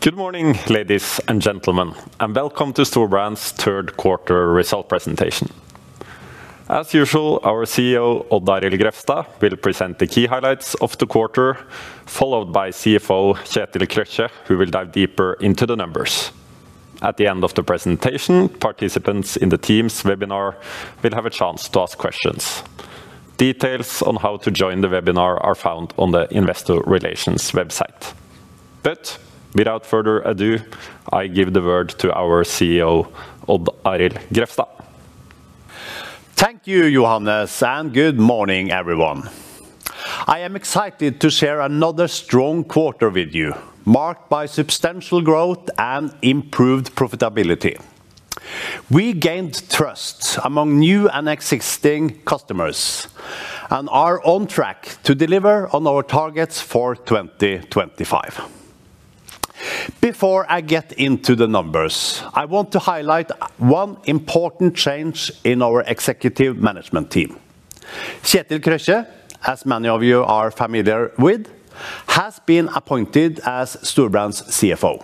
Good morning, ladies and gentlemen, and welcome to Storebrand's third quarter result presentation. As usual, our CEO, Odd Arild Grefstad, will present the key highlights of the quarter, followed by CFO, Kjetil Krøkje, who will dive deeper into the numbers. At the end of the presentation, participants in the Teams webinar will have a chance to ask questions. Details on how to join the webinar are found on the Investor Relations website. Without further ado, I give the word to our CEO, Odd Arild Grefstad. Thank you, Johannes, and good morning, everyone. I am excited to share another strong quarter with you, marked by substantial growth and improved profitability. We gained trust among new and existing customers and are on track to deliver on our targets for 2025. Before I get into the numbers, I want to highlight one important change in our Executive Management Team. Kjetil Krøtje, as many of you are familiar with, has been appointed as Storebrand's CFO,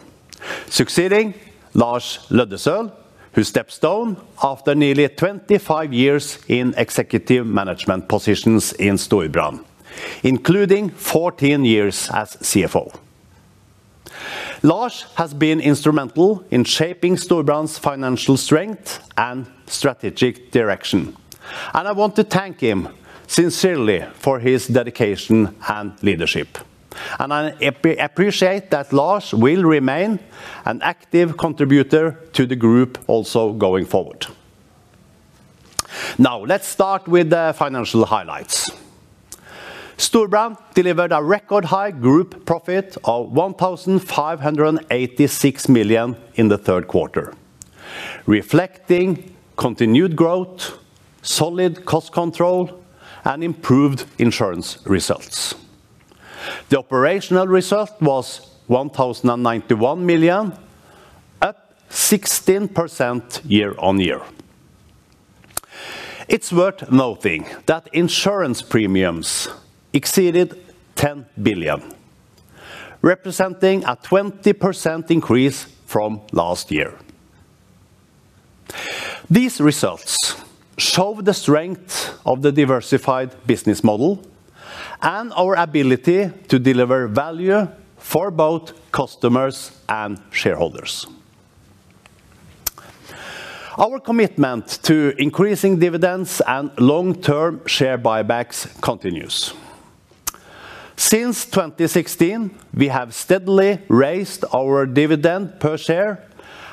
succeeding Lars Løddesøl, who stepped down after nearly 25 years in executive management positions in Storebrand, including 14 years as CFO. Lars has been instrumental in shaping Storebrand's financial strength and strategic direction, and I want to thank him sincerely for his dedication and leadership. I appreciate that Lars will remain an active contributor to the group also going forward. Now, let's start with the financial highlights. Storebrand delivered a record-high group profit of 1,586 million in the third quarter, reflecting continued growth, solid cost control, and improved insurance results. The operational result was 1,091 million up 16% year-on-year. It's worth noting that insurance premiums exceeded 10 billion, representing a 20% increase from last year. These results show the strength of the diversified business model and our ability to deliver value for both customers and shareholders. Our commitment to increasing dividends and long-term share buybacks continues. Since 2016, we have steadily raised our dividend per share,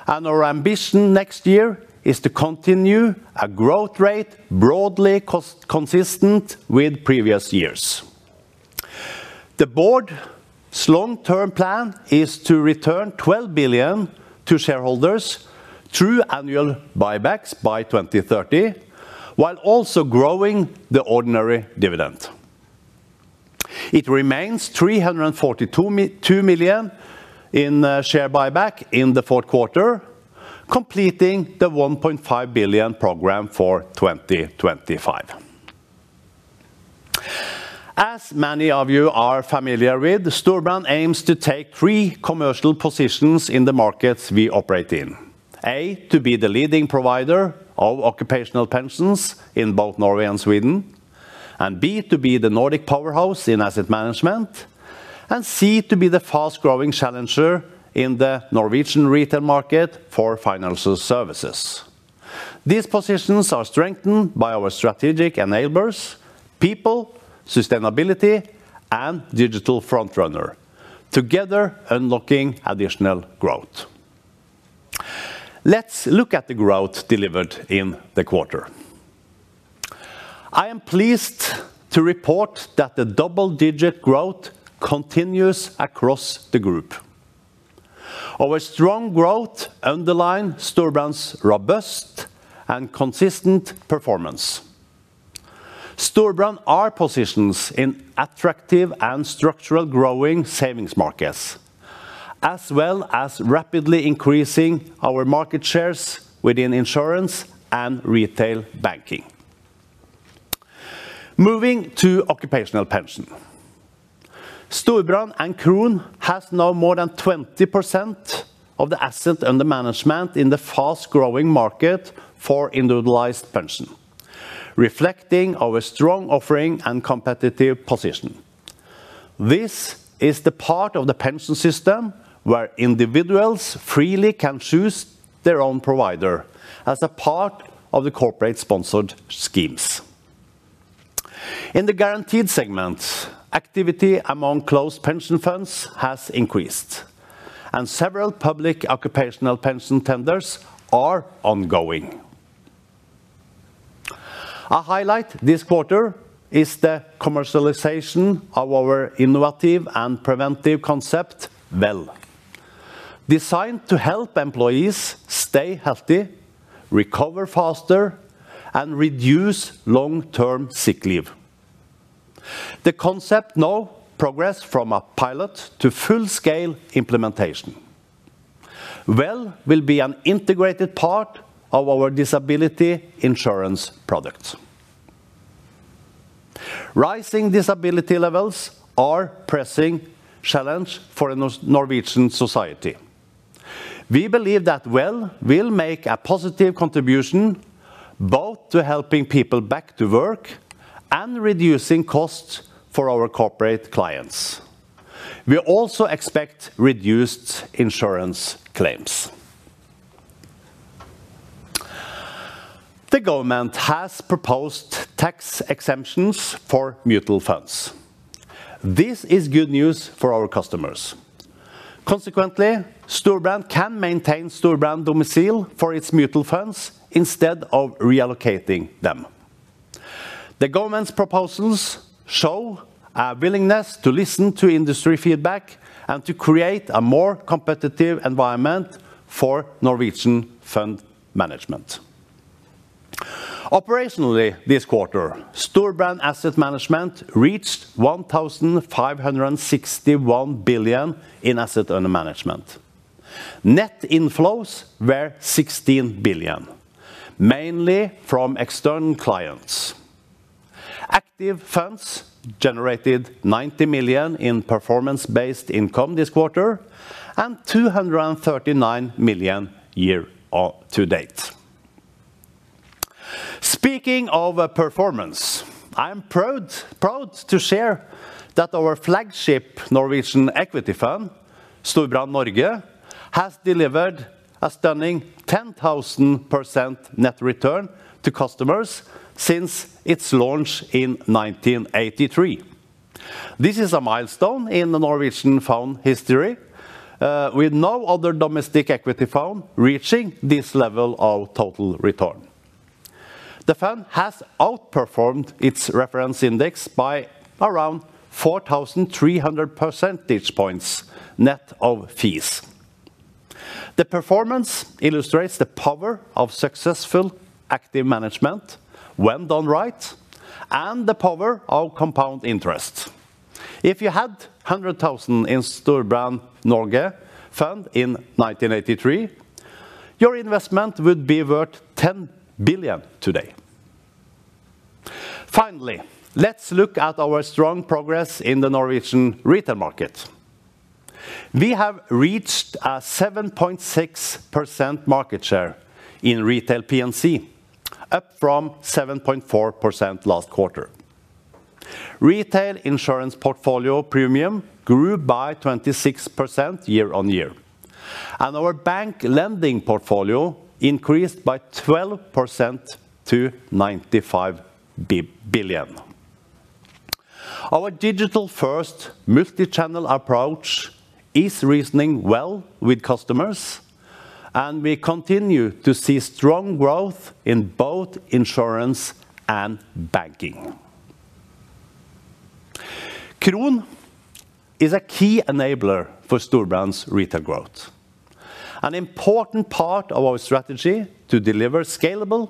and our ambition next year is to continue a growth rate broadly consistent with previous years. The Board's long-term plan is to return 12 billion to shareholders through annual buybacks by 2030, while also growing the ordinary dividend. It remains 342 million in share buyback in the fourth quarter, completing the 1.5 billion program for 2025. As many of you are familiar with, Storebrand aims to take three commercial positions in the markets we operate in: A, to be the leading provider of occupational pensions in both Norway and Sweden, and B, to be the Nordic powerhouse in asset management, and C, to be the fast-growing challenger in the Norwegian retail market for financial services. These positions are strengthened by our strategic enablers: People, Sustainability, and Digital Frontrunner, together unlocking additional growth. Let's look at the growth delivered in the quarter. I am pleased to report that the double-digit growth continues across the group. Our strong growth underlines Storebrand's robust and consistent performance. Storebrand's positions in attractive and structurally growing savings markets, as well as rapidly increasing our market shares within insurance and retail banking. Moving to occupational pension, Storebrand and Kron have now more than 20% of the assets under management in the fast-growing market for individualized pension, reflecting our strong offering and competitive position. This is the part of the pension system where individuals freely can choose their own provider as a part of the corporate-sponsored schemes. In the guaranteed segment, activity among closed pension funds has increased, and several public occupational pension tenders are ongoing. A highlight this quarter is the commercialization of our innovative and preventive concept, WELL, designed to help employees stay healthy, recover faster, and reduce long-term sick leave. The concept now progresses from a pilot to full-scale implementation. WELL will be an integrated part of our disability insurance products. Rising disability levels are a pressing challenge for Norwegian society. We believe that WELL will make a positive contribution both to helping people back to work and reducing costs for our corporate clients. We also expect reduced insurance claims. The government has proposed tax exemptions for mutual funds. This is good news for our customers. Consequently, Storebrand can maintain Storebrand domicile for its mutual funds instead of reallocating them. The government's proposals show a willingness to listen to industry feedback and to create a more competitive environment for Norwegian fund management. Operationally, this quarter, Storebrand asset management reached [1,561 billion] in assets under management. Net inflows were 16 billion, mainly from external clients. Active funds generated 90 million in performance-based income this quarter and 239 million year to date. Speaking of performance, I am proud to share that our flagship Norwegian equity fund, Storebrand Norge, has delivered a stunning 10,000% net return to customers since its launch in 1983. This is a milestone in the Norwegian fund history, with no other domestic equity fund reaching this level of total return. The fund has outperformed its reference index by around 4,300 percentage points net of fees. The performance illustrates the power of successful active management when done right and the power of compound interest. If you had 100,000 in Storebrand Norge fund in 1983, your investment would be worth 10 billion today. Finally, let's look at our strong progress in the Norwegian retail market. We have reached a 7.6% market share in retail P&C, up from 7.4% last quarter. Retail insurance portfolio premium grew by 26% year-on-year, and our bank lending portfolio increased by 12% to 95 billion. Our digital-first multichannel approach is resonating well with customers, and we continue to see strong growth in both insurance and banking. Kron is a key enabler for Storebrand's retail growth, an important part of our strategy to deliver scalable,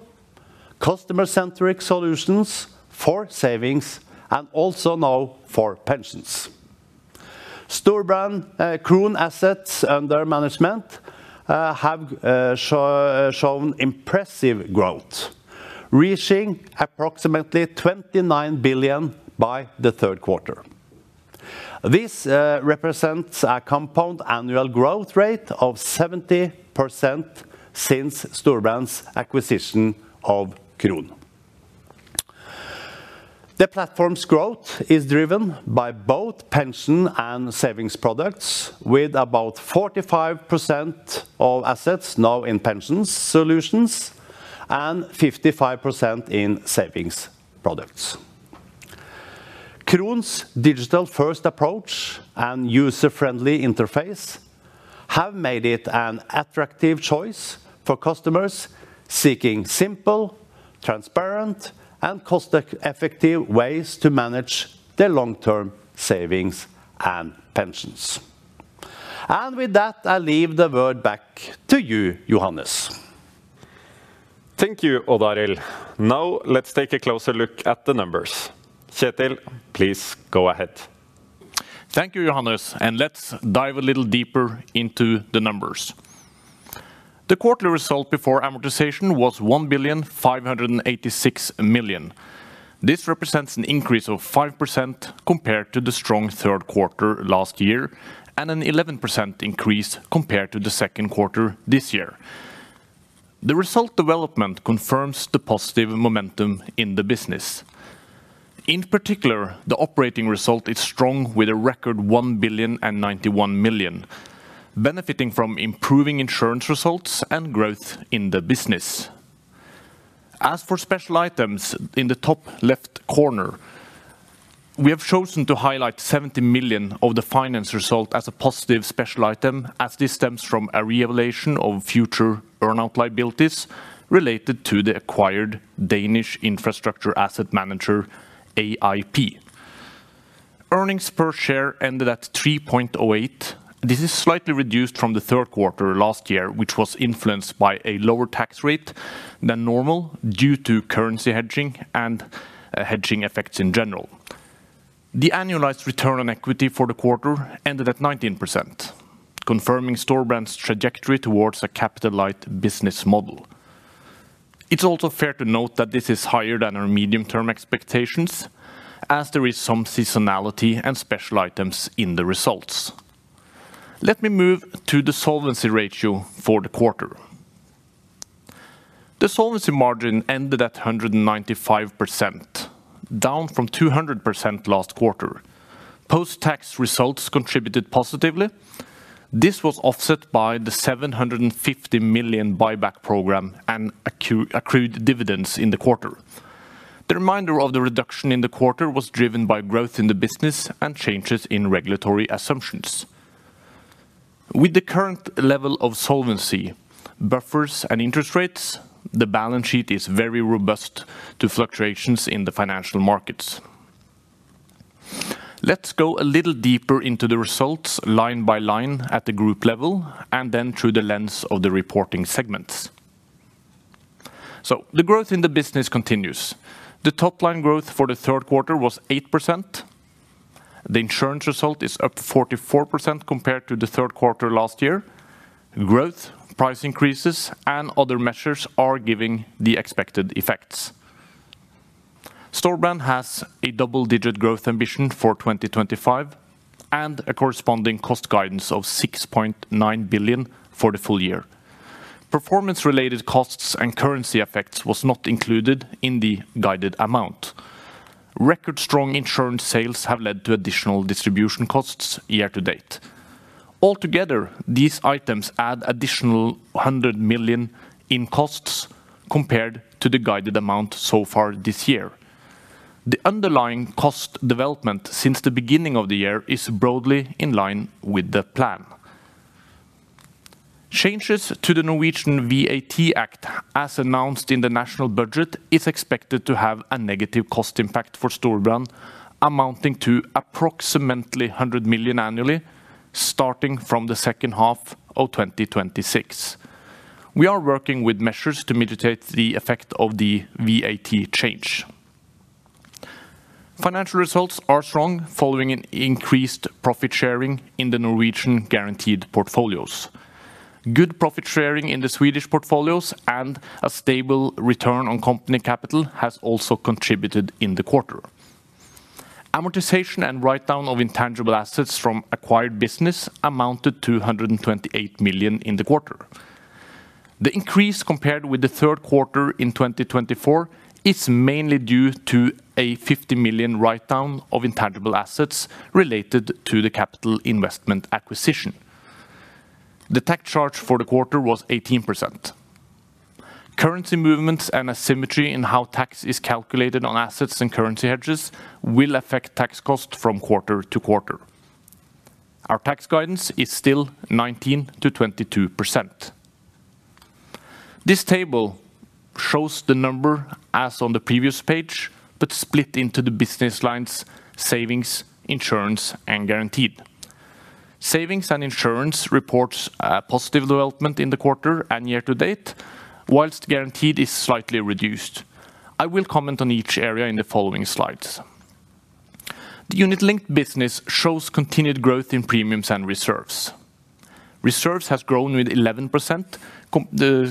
customer-centric solutions for savings and also now for pensions. Storebrand Kron assets under management have shown impressive growth, reaching approximately 29 billion by the third quarter. This represents a compound annual growth rate of 70% since Storebrand's acquisition of Kron. The platform's growth is driven by both pension and savings products, with about 45% of assets now in pension solutions and 55% in savings products. Kron's digital-first approach and user-friendly interface have made it an attractive choice for customers seeking simple, transparent, and cost-effective ways to manage their long-term savings and pensions. I leave the word back to you, Johannes. Thank you, Odd Arild. Now, let's take a closer look at the numbers. Kjetil, please go ahead. Thank you, Johannes, and let's dive a little deeper into the numbers. The quarterly result before amortization was 1,586,000,000. This represents an increase of 5% compared to the strong third quarter last year and an 11% increase compared to the second quarter this year. The result development confirms the positive momentum in the business. In particular, the operating result is strong with a record 1,091,000,000, benefiting from improving insurance results and growth in the business. As for special items in the top left corner, we have chosen to highlight 70 million of the finance result as a positive special item, as this stems from a reevaluation of future burnout liabilities related to the acquired Danish infrastructure asset manager, AIP Management. Earnings per share ended at 3.08. This is slightly reduced from the third quarter last year, which was influenced by a lower tax rate than normal due to currency hedging and hedging effects in general. The annualized return on equity for the quarter ended at 19%, confirming Storebrand's trajectory towards a capital-light business model. It's also fair to note that this is higher than our medium-term expectations, as there is some seasonality and special items in the results. Let me move to the solvency ratio for the quarter. The solvency margin ended at 195%, down from 200% last quarter. Post-tax results contributed positively, and this was offset by the 750 million buyback program and accrued dividends in the quarter. The remainder of the reduction in the quarter was driven by growth in the business and changes in regulatory assumptions. With the current level of solvency, buffers, and interest rates, the balance sheet is very robust to fluctuations in the financial markets. Let's go a little deeper into the results line by line at the group level and then through the lens of the reporting segments. The growth in the business continues. The top-line growth for the third quarter was 8%. The insurance result is up 44% compared to the third quarter last year. Growth, price increases, and other measures are giving the expected effects. Storebrand has a double-digit growth ambition for 2025 and a corresponding cost guidance of 6.9 billion for the full year. Performance-related costs and currency effects were not included in the guided amount. Record-strong insurance sales have led to additional distribution costs year to date. Altogether, these items add an additional 100 million in costs compared to the guided amount so far this year. The underlying cost development since the beginning of the year is broadly in line with the plan. Changes to the Norwegian VAT Act, as announced in the national budget, are expected to have a negative cost impact for Storebrand, amounting to approximately 100 million annually, starting from the second half of 2026. We are working with measures to mitigate the effect of the VAT change. Financial results are strong following an increased profit sharing in the Norwegian guaranteed portfolios. Good profit sharing in the Swedish portfolios and a stable return on company capital have also contributed in the quarter. Amortization and write-down of intangible assets from acquired business amounted to 128 million in the quarter. The increase compared with the third quarter in 2023 is mainly due to a 50 million write-down of intangible assets related to the capital investment acquisition. The tax charge for the quarter was 18%. Currency movements and asymmetry in how tax is calculated on assets and currency hedges will affect tax costs from quarter to quarter. Our tax guidance is still 19%-22%. This table shows the number as on the previous page, but split into the business lines, savings, insurance, and guaranteed. Savings and insurance report positive development in the quarter and year to date, whilst guaranteed is slightly reduced. I will comment on each area in the following slides. The unit-linked business shows continued growth in premiums and reserves. Reserves have grown with 11%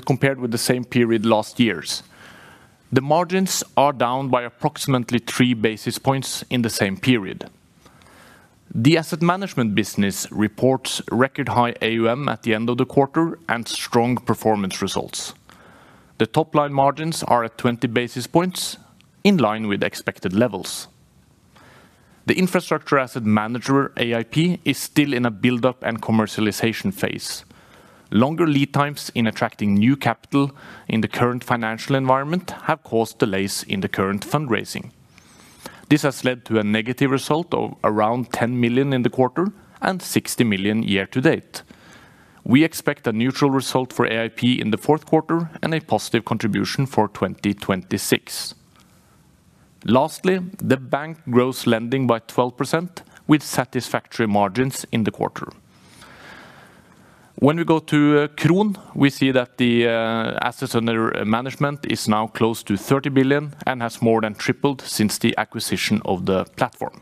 compared with the same period last year. The margins are down by approximately 3 basis points in the same period. The asset management business reports record-high AUM at the end of the quarter and strong performance results. The top-line margins are at 20 basis points, in line with expected levels. The Infrastructure Asset Manager, AIP, is still in a build-up and commercialization phase. Longer lead times in attracting new capital in the current financial environment have caused delays in the current fundraising. This has led to a negative result of around 10 million in the quarter and 60 million year to date. We expect a neutral result for AIP in the fourth quarter and a positive contribution for 2026. Lastly, the bank grows lending by 12% with satisfactory margins in the quarter. When we go to Kron, we see that the assets under management are now close to 30 billion and have more than tripled since the acquisition of the platform.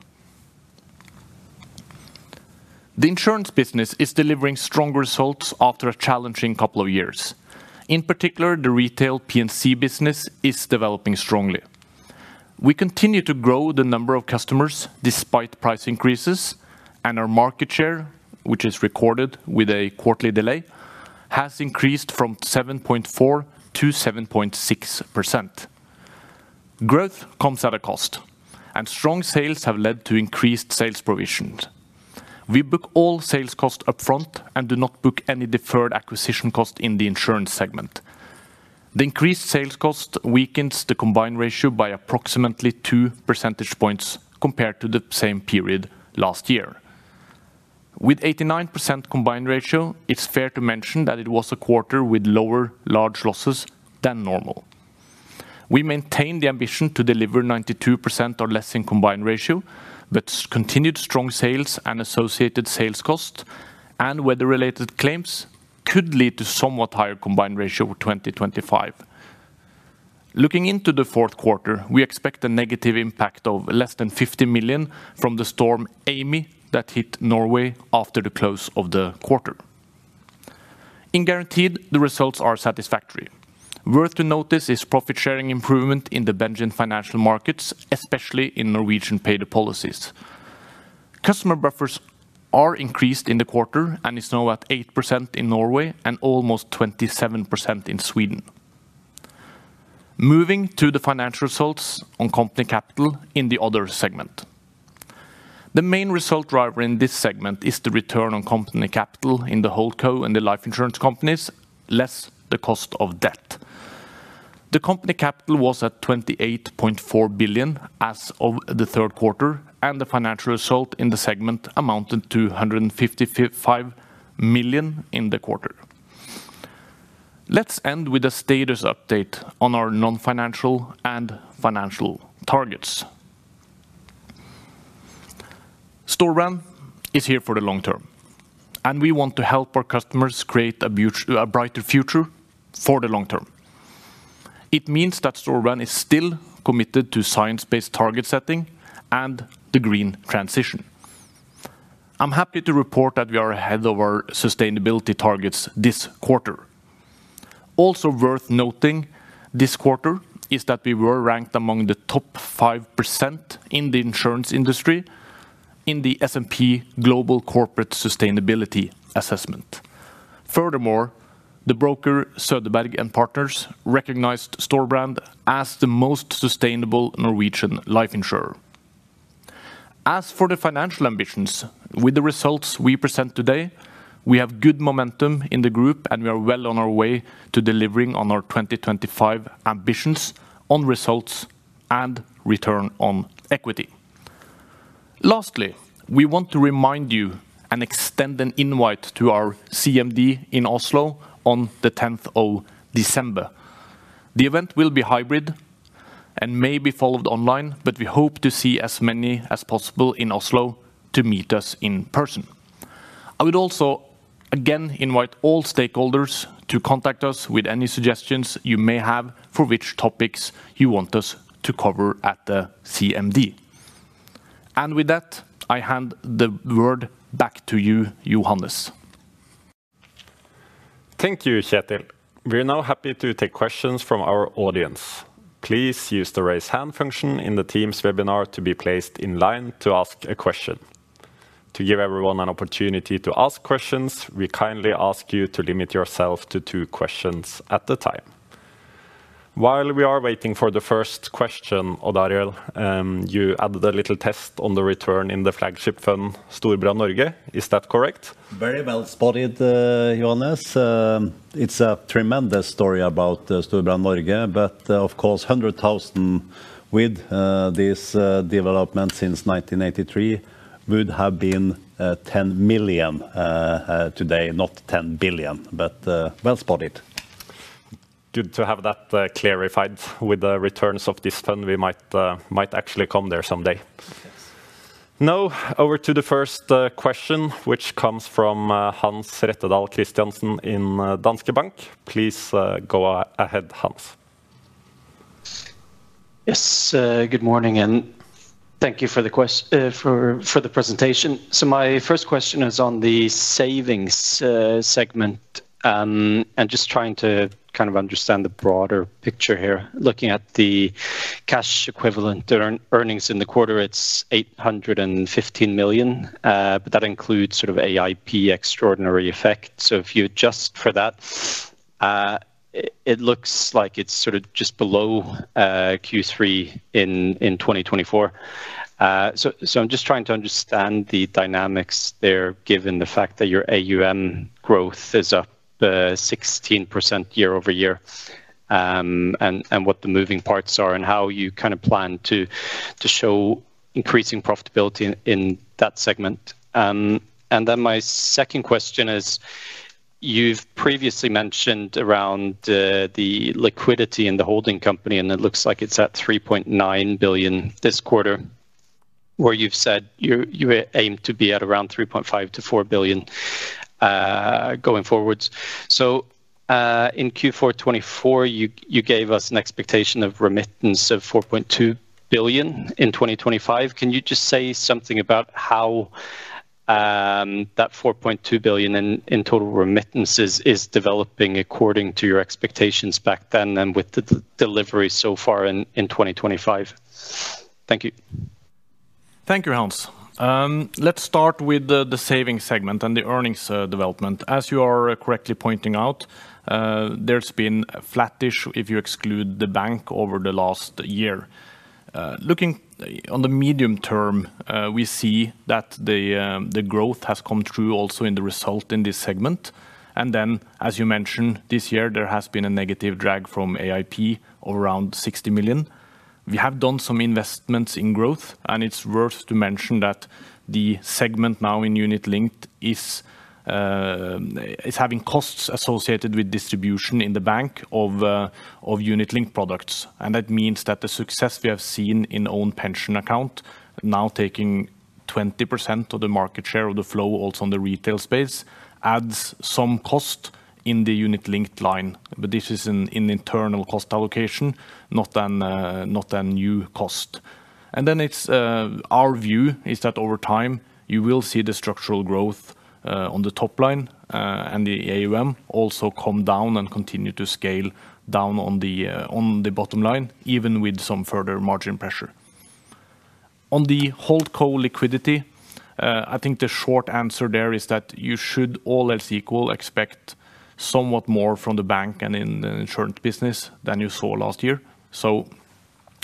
The insurance business is delivering strong results after a challenging couple of years. In particular, the retail P&C insurance business is developing strongly. We continue to grow the number of customers despite price increases, and our market share, which is recorded with a quarterly delay, has increased from 7.4% to 7.6%. Growth comes at a cost, and strong sales have led to increased sales provisions. We book all sales costs upfront and do not book any deferred acquisition costs in the insurance segment. The increased sales cost weakens the combined ratio by approximately 2 percentage points compared to the same period last year. With an 89% combined ratio, it's fair to mention that it was a quarter with lower large losses than normal. We maintain the ambition to deliver 92% or less in combined ratio, but continued strong sales and associated sales costs and weather-related claims could lead to a somewhat higher combined ratio in 2025. Looking into the fourth quarter, we expect a negative impact of less than 50 million from the storm, Amy, that hit Norway after the close of the quarter. In guaranteed, the results are satisfactory. Worth to notice is profit-sharing improvement in the benign financial markets, especially in Norwegian paid-up policies. Customer buffers are increased in the quarter and are now at 8% in Norway and almost 27% in Sweden. Moving to the financial results on company capital in the other segment, the main result driver in this segment is the return on company capital in the HoldCo and the life insurance companies, less the cost of debt. The company capital was at 28.4 billion as of the third quarter, and the financial result in the segment amounted to 155 million in the quarter. Let's end with a status update on our non-financial and financial targets. Storebrand is here for the long term, and we want to help our customers create a brighter future for the long term. It means that Storebrand is still committed to science-based target setting and the green transition. I'm happy to report that we are ahead of our sustainability targets this quarter. Also worth noting this quarter is that we were ranked among the top 5% in the insurance industry in the S&P Global Corporate Sustainability Assessment. Furthermore, the broker Söderberg & Partners recognized Storebrand as the most sustainable Norwegian life insurer. As for the financial ambitions, with the results we present today, we have good momentum in the group, and we are well on our way to delivering on our 2025 ambitions on results and return on equity. Lastly, we want to remind you and extend an invite to our CMD in Oslo on the 10th of December. The event will be hybrid and may be followed online, but we hope to see as many as possible in Oslo to meet us in person. I would also again invite all stakeholders to contact us with any suggestions you may have for which topics you want us to cover at the CMD. With that, I hand the word back to you, Johannes. Thank you, Kjetil. We are now happy to take questions from our audience. Please use the raise hand function in the Teams webinar to be placed in line to ask a question. To give everyone an opportunity to ask questions, we kindly ask you to limit yourself to two questions at a time. While we are waiting for the first question, Odd Arild, you added a little test on the return in the flagship fund, Storebrand Norge. Is that correct? Very well spotted, Johannes. It's a tremendous story about Storebrand Norge, but of course, $100,000 with this development since 1983 would have been $10 million today, not $10 billion, but well spotted. Good to have that clarified with the returns of this fund. We might actually come there someday. Now, over to the first question, which comes from Hans Rettedal Christiansen in Danske Bank. Please go ahead, Hans. Yes, good morning, and thank you for the presentation. My first question is on the savings segment and just trying to kind of understand the broader picture here. Looking at the cash equivalent earnings in the quarter, it's 815 million, but that includes sort of AIP extraordinary effects. If you adjust for that, it looks like it's just below Q3 in 2024. I'm trying to understand the dynamics there, given the fact that your AUM growth is year-over-year, and what the moving parts are and how you kind of plan to show increasing profitability in that segment. My second question is, you've previously mentioned around the liquidity in the holding company, and it looks like it's at 3.9 billion this quarter, where you've said you aim to be at around 3.5 billion-4 billion going forward. In Q4 2024, you gave us an expectation of remittance of 4.2 billion in 2025. Can you just say something about how that 4.2 billion in total remittances is developing according to your expectations back then and with the delivery so far in 2025? Thank you. Thank you, Hans. Let's start with the savings segment and the earnings development. As you are correctly pointing out, there's been a flattish if you exclude the bank over the last year. Looking on the medium term, we see that the growth has come true also in the result in this segment. As you mentioned, this year there has been a negative drag from AIP Management of around 60 million. We have done some investments in growth, and it's worth to mention that the segment now in unit-linked is having costs associated with distribution in the bank of unit-linked products. That means that the success we have seen in the owned pension account, now taking 20% of the market share of the flow, also in the retail space, adds some cost in the unit-linked line. This is an internal cost allocation, not a new cost. Our view is that over time, you will see the structural growth on the top line and the AUM also come down and continue to scale down on the bottom line, even with some further margin pressure. On the whole co liquidity, I think the short answer there is that you should, all else equal, expect somewhat more from the bank and in the insurance business than you saw last year.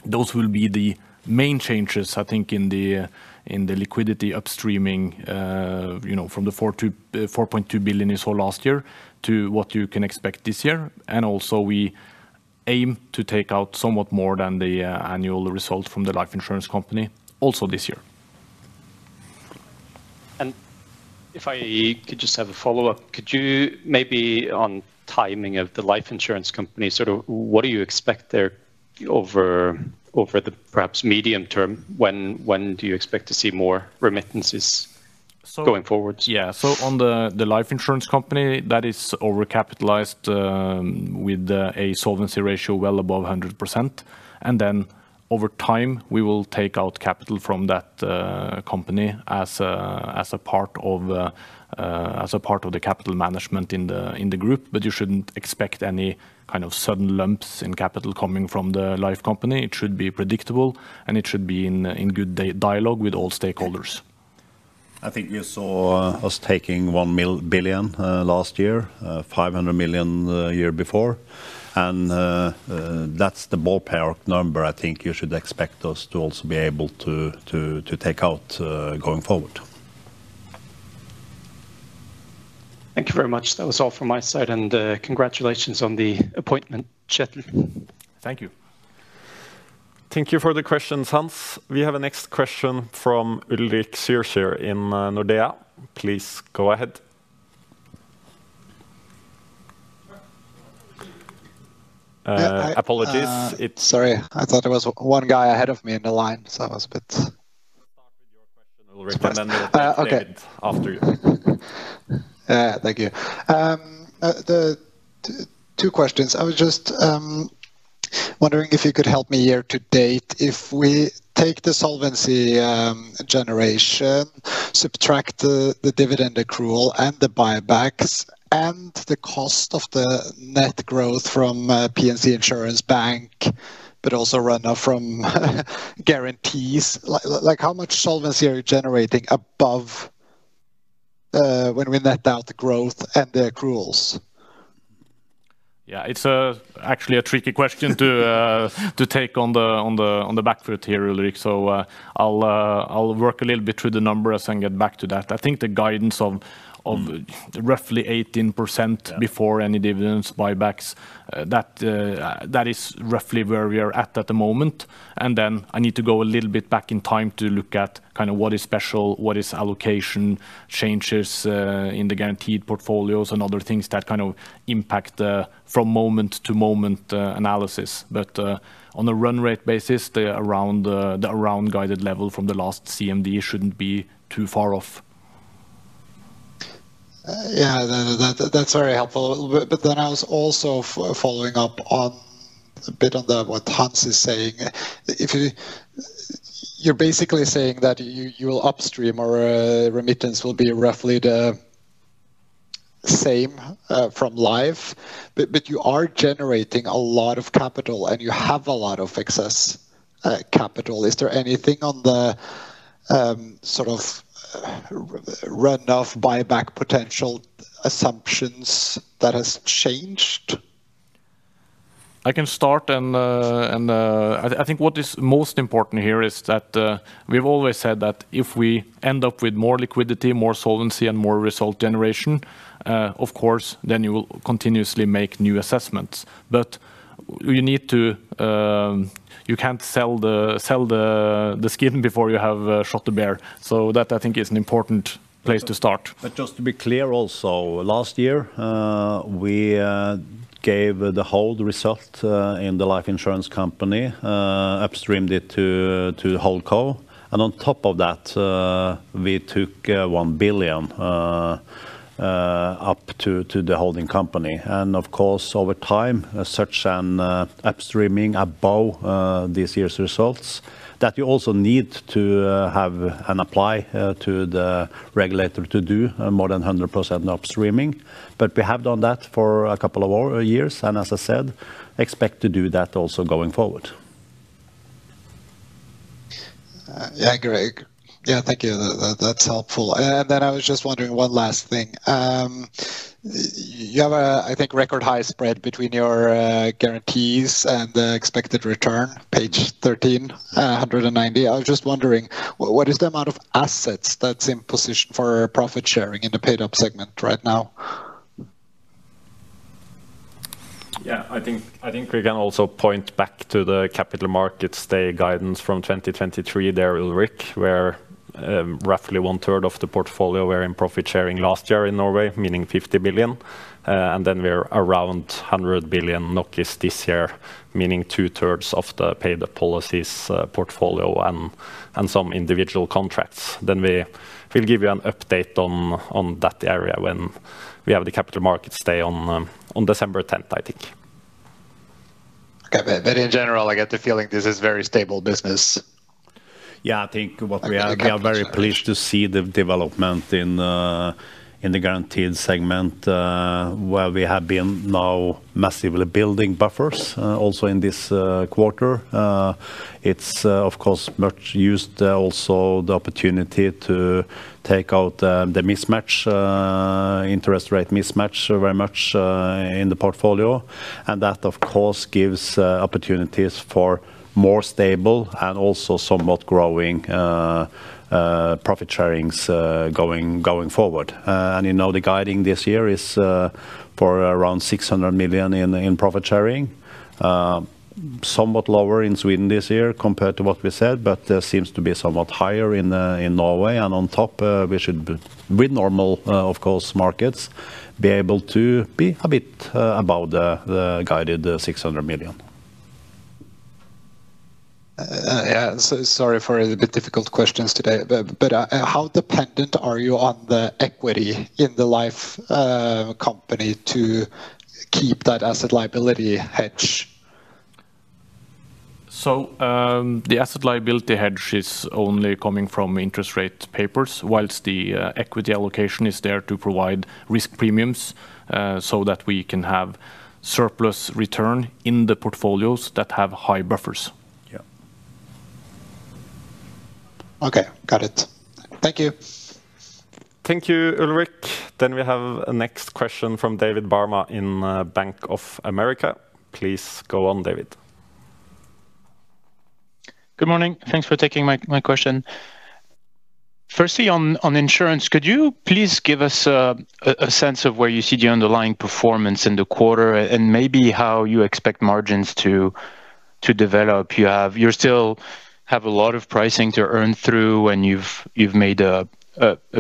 Those will be the main changes, I think, in the liquidity upstreaming from the 4.2 billion you saw last year to what you can expect this year. We aim to take out somewhat more than the annual result from the life insurance company also this year. If I could just have a follow-up, could you maybe on timing of the life insurance company, sort of what do you expect there over the perhaps medium term? When do you expect to see more remittances going forward? On the life insurance company, that is over-capitalized with a solvency ratio well above 100%. Over time, we will take out capital from that company as a part of the capital management in the group. You shouldn't expect any kind of sudden lumps in capital coming from the life company. It should be predictable, and it should be in good dialogue with all stakeholders. I think you saw us taking 1 billion last year, 500 million the year before. That's the ballpark number I think you should expect us to also be able to take out going forward. Thank you very much. That was all from my side, and congratulations on the appointment, Kjetil. Thank you. Thank you for the questions, Hans. We have a next question from Ulrik Zürcher in Nordea. Please go ahead. Apologies. Sorry, I thought there was one guy ahead of me in the line, so I was a bit... After you. Thank you. Two questions. I was just wondering if you could help me year to date. If we take the solvency generation, subtract the dividend accrual and the buybacks and the cost of the net growth from P&C insurance, but also runoff from guarantees, how much solvency are you generating above when we net out the growth and the accruals? Yeah, it's actually a tricky question to take on the back foot here, Ulrik. I'll work a little bit through the numbers and get back to that. I think the guidance of roughly 18% before any dividends or buybacks, that is roughly where we are at at the moment. I need to go a little bit back in time to look at kind of what is special, what is allocation, changes in the guaranteed portfolios, and other things that kind of impact the from moment to moment analysis. On a run-rate basis, the around guided level from the last CMD shouldn't be too far off. Yeah, that's very helpful. I was also following up a bit on what Hans is saying. You're basically saying that your upstream or remittance will be roughly the same from life, but you are generating a lot of capital and you have a lot of excess capital. Is there anything on the sort of runoff buyback potential assumptions that has changed? I can start, and I think what is most important here is that we've always said that if we end up with more liquidity, more solvency, and more result generation, of course, then you will continuously make new assessments. You can't sell the skin before you have shot the bear. I think that is an important place to start. Just to be clear also, last year, we gave the whole result in the life insurance company, upstreamed it to the holdco, and on top of that, we took 1 billion up to the holding company. Of course, over time, such an upstreaming above this year's results means that you also need to apply to the regulator to do more than 100% upstreaming. We have done that for a couple of years, and as I said, expect to do that also going forward. Yeah, great. Thank you. That's helpful. I was just wondering one last thing. You have a, I think, record high spread between your guarantees and the expected return, page 13, 190. I was just wondering, what is the amount of assets that's in position for profit sharing in the paid-up segment right now? Yeah, I think we can also point back to the capital markets day guidance from 2023 there, Ulrik, where roughly 1/3 of the portfolio were in profit sharing last year in Norway, meaning 50 million. We're around 100 billion this year, meaning 2/3 of the paid-up policies portfolio and some individual contracts. We will give you an update on that area when we have the capital markets day on December 10th, I think. Okay, in general, I get the feeling this is a very stable business. Yeah, I think we are very pleased to see the development in the guaranteed segment where we have been now massively building buffers also in this quarter. It's, of course, much used also the opportunity to take out the mismatch, interest rate mismatch very much in the portfolio. That, of course, gives opportunities for more stable and also somewhat growing profit sharings going forward. You know the guiding this year is for around 600 million in profit sharing, somewhat lower in Sweden this year compared to what we said, but seems to be somewhat higher in Norway. On top, we should, with normal, of course, markets, be able to be a bit above the guided NOK 600 million. Sorry for the difficult questions today, but how dependent are you on the equity in the life company to keep that asset liability hedge? The asset liability hedge is only coming from interest rate papers, while the equity allocation is there to provide risk premiums so that we can have surplus return in the portfolios that have high buffers. Yeah, okay, got it. Thank you. Thank you, Ulrik. We have a next question from David Barma in Bank of America. Please go on, David. Good morning. Thanks for taking my question. Firstly, on insurance, could you please give us a sense of where you see the underlying performance in the quarter and maybe how you expect margins to develop? You still have a lot of pricing to earn through, and you've made a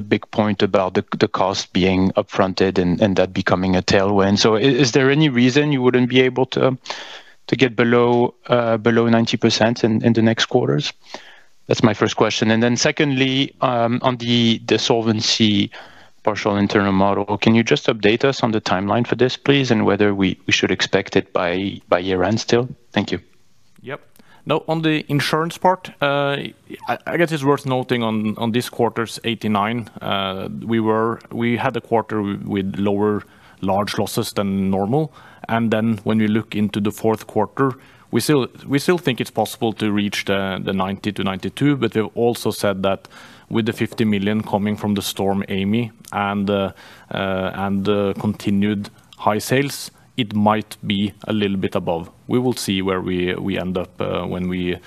big point about the cost being upfronted and that becoming a tailwind. Is there any reason you wouldn't be able to get below 90% in the next quarters? That's my first question. Secondly, on the solvency partial internal model, can you just update us on the timeline for this, please, and whether we should expect it by year-end still? Thank you. Yep. Now, on the insurance part, I guess it's worth noting on this quarter's 89%. We had a quarter with lower large losses than normal. When we look into the fourth quarter, we still think it's possible to reach the 90%-92%, but we've also said that with the 50 million coming from the Storm Amy and the continued high sales, it might be a little bit above. We will see where we end up when we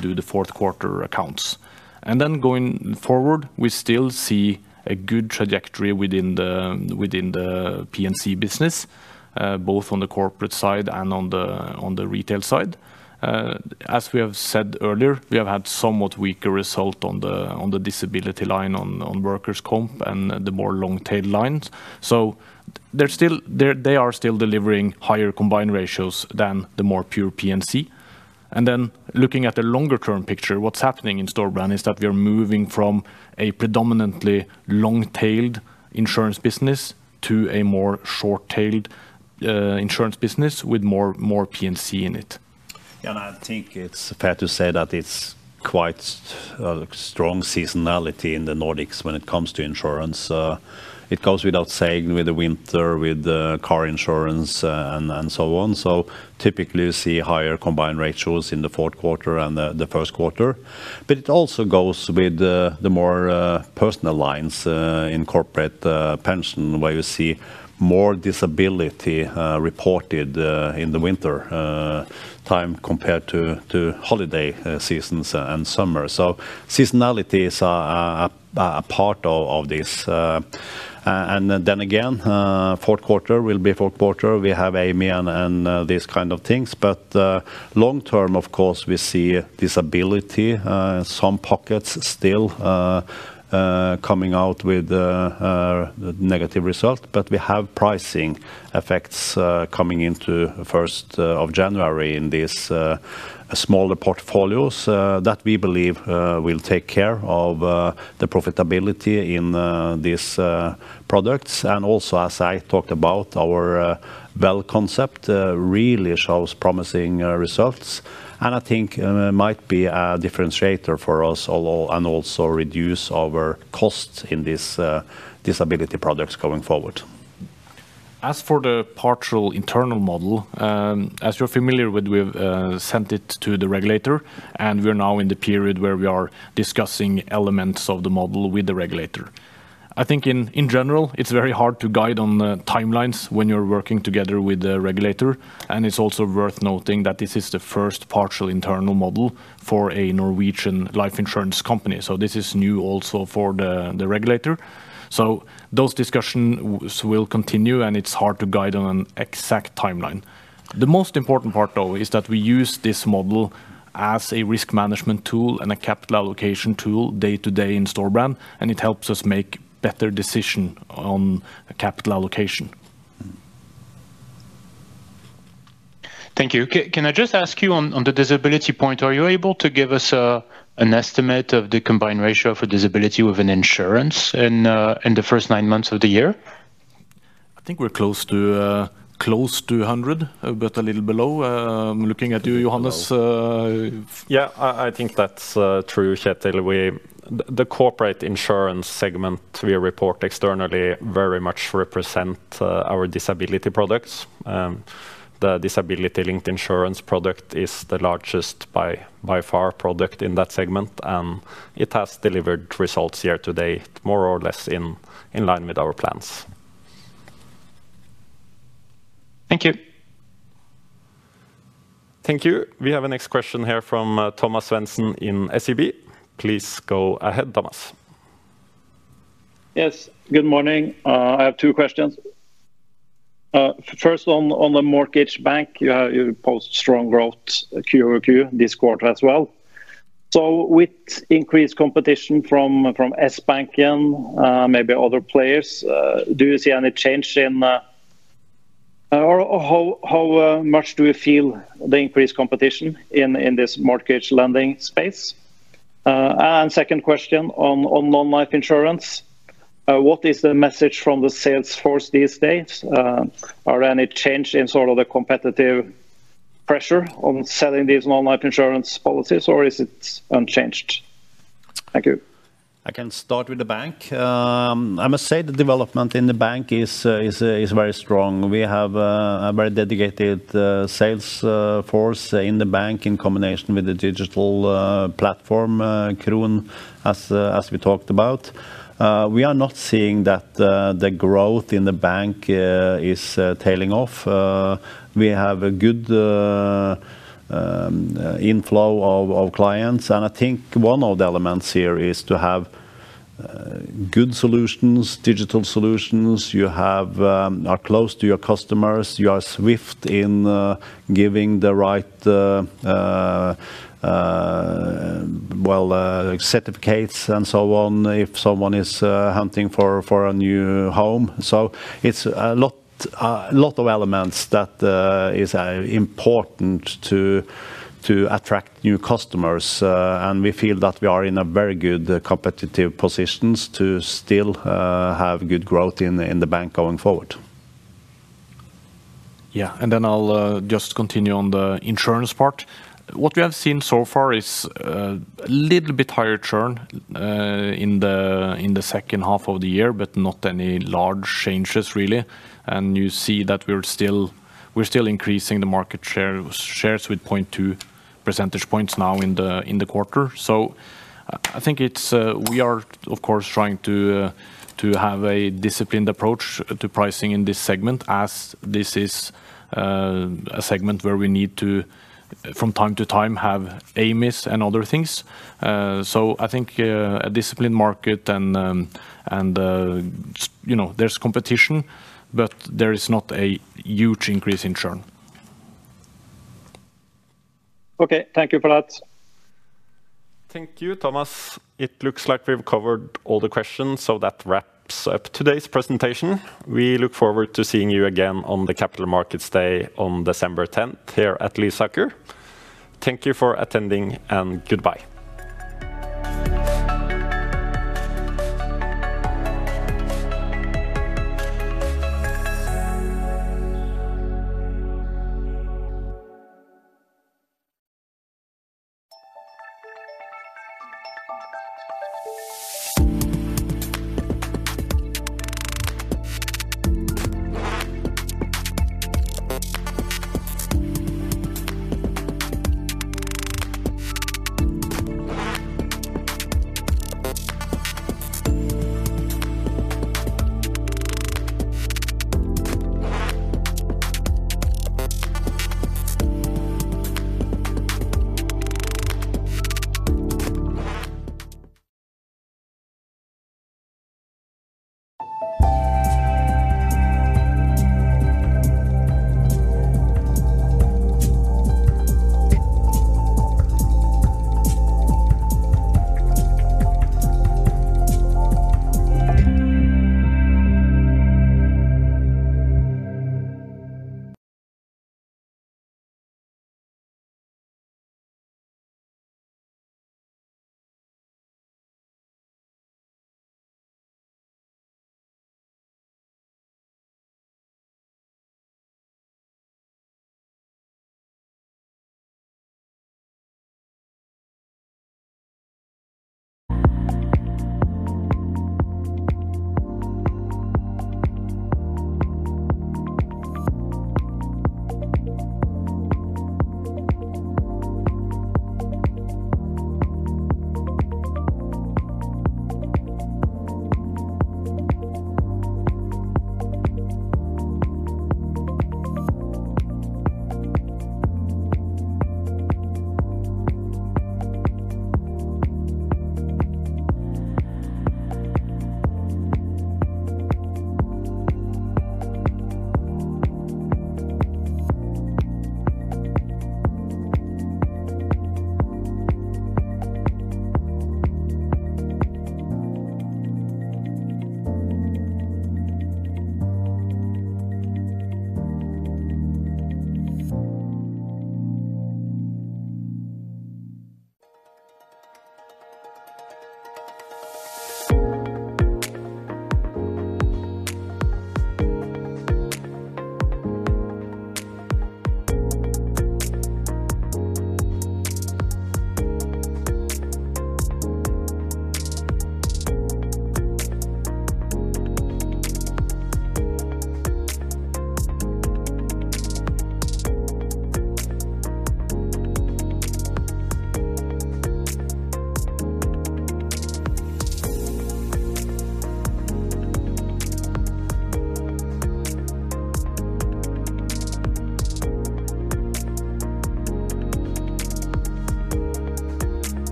do the fourth quarter accounts. Going forward, we still see a good trajectory within the P&C business, both on the corporate side and on the retail side. As we have said earlier, we have had somewhat weaker results on the disability line on workers' comp and the more long-tail lines. They are still delivering higher combined ratios than the more pure P&C. Looking at the longer-term picture, what's happening in Storebrand is that we are moving from a predominantly long-tailed insurance business to a more short-tailed insurance business with more P&C in it. Yeah, I think it's fair to say that there's quite a strong seasonality in the Nordics when it comes to insurance. It goes without saying with the winter, with car insurance, and so on. Typically, you see higher combined ratios in the fourth quarter and the first quarter. It also goes with the more personal lines in corporate pension where you see more disability reported in the wintertime compared to holiday seasons and summer. Seasonality is a part of this. Fourth quarter will be fourth quarter. We have Amy and these kinds of things. Long term, of course, we see disability in some pockets still coming out with a negative result. We have pricing effects coming into the first of January in these smaller portfolios that we believe will take care of the profitability in these products. Also, as I talked about, our WELL concept really shows promising results. I think it might be a differentiator for us and also reduce our costs in these disability products going forward. As for the partial internal model, as you're familiar with, we've sent it to the regulator. We are now in the period where we are discussing elements of the model with the regulator. I think in general, it's very hard to guide on timelines when you're working together with the regulator. It's also worth noting that this is the first partial internal model for a Norwegian life insurance company. This is new also for the regulator. Those discussions will continue, and it's hard to guide on an exact timeline. The most important part, though, is that we use this model as a risk management tool and a capital allocation tool day-to-day in Storebrand. It helps us make better decisions on capital allocation. Thank you. Can I just ask you on the disability point, are you able to give us an estimate of the combined ratio for disability within insurance in the first nine months of the year? I think we're close to 100, but a little below. I'm looking at you, Johannes. Yeah, I think that's true, Kjetil. The corporate insurance segment we report externally very much represents our disability products. The disability-linked insurance product is the largest by far product in that segment, and it has delivered results year to date, more or less in line with our plans. Thank you. Thank you. We have a next question here from Thomas Svendsen in SEB. Please go ahead, Thomas. Yes, good morning. I have two questions. First, on the mortgage bank, you post strong growth, QOQ, this quarter as well. With increased competition from S-Bank and maybe other players, do you see any change in how much do you feel the increased competition in this mortgage lending space? Second question, on non-life insurance, what is the message from the sales force these days? Are there any changes in sort of the competitive pressure on selling these non-life insurance policies, or is it unchanged? Thank you. I can start with the bank. I must say the development in the bank is very strong. We have a very dedicated sales force in the bank in combination with the digital platform, Kron, as we talked about. We are not seeing that the growth in the bank is tailing off. We have a good inflow of clients. I think one of the elements here is to have good solutions, digital solutions. You are close to your customers. You are swift in giving the right certificates and so on if someone is hunting for a new home. It's a lot of elements that are important to attract new customers. We feel that we are in a very good competitive position to still have good growth in the bank going forward. Yeah, I'll just continue on the insurance part. What we have seen so far is a little bit higher churn in the second half of the year, but not any large changes, really. You see that we're still increasing the market shares with 0.2% now in the quarter. I think we are, of course, trying to have a disciplined approach to pricing in this segment, as this is a segment where we need to, from time to time, have A-miss and other things. I think a disciplined market and there's competition, but there is not a huge increase in churn. Okay, thank you for that. Thank you, Thomas. It looks like we've covered all the questions, so that wraps up today's presentation. We look forward to seeing you again on the Capital Markets Day on December 10th here at Lysaker. Thank you for attending.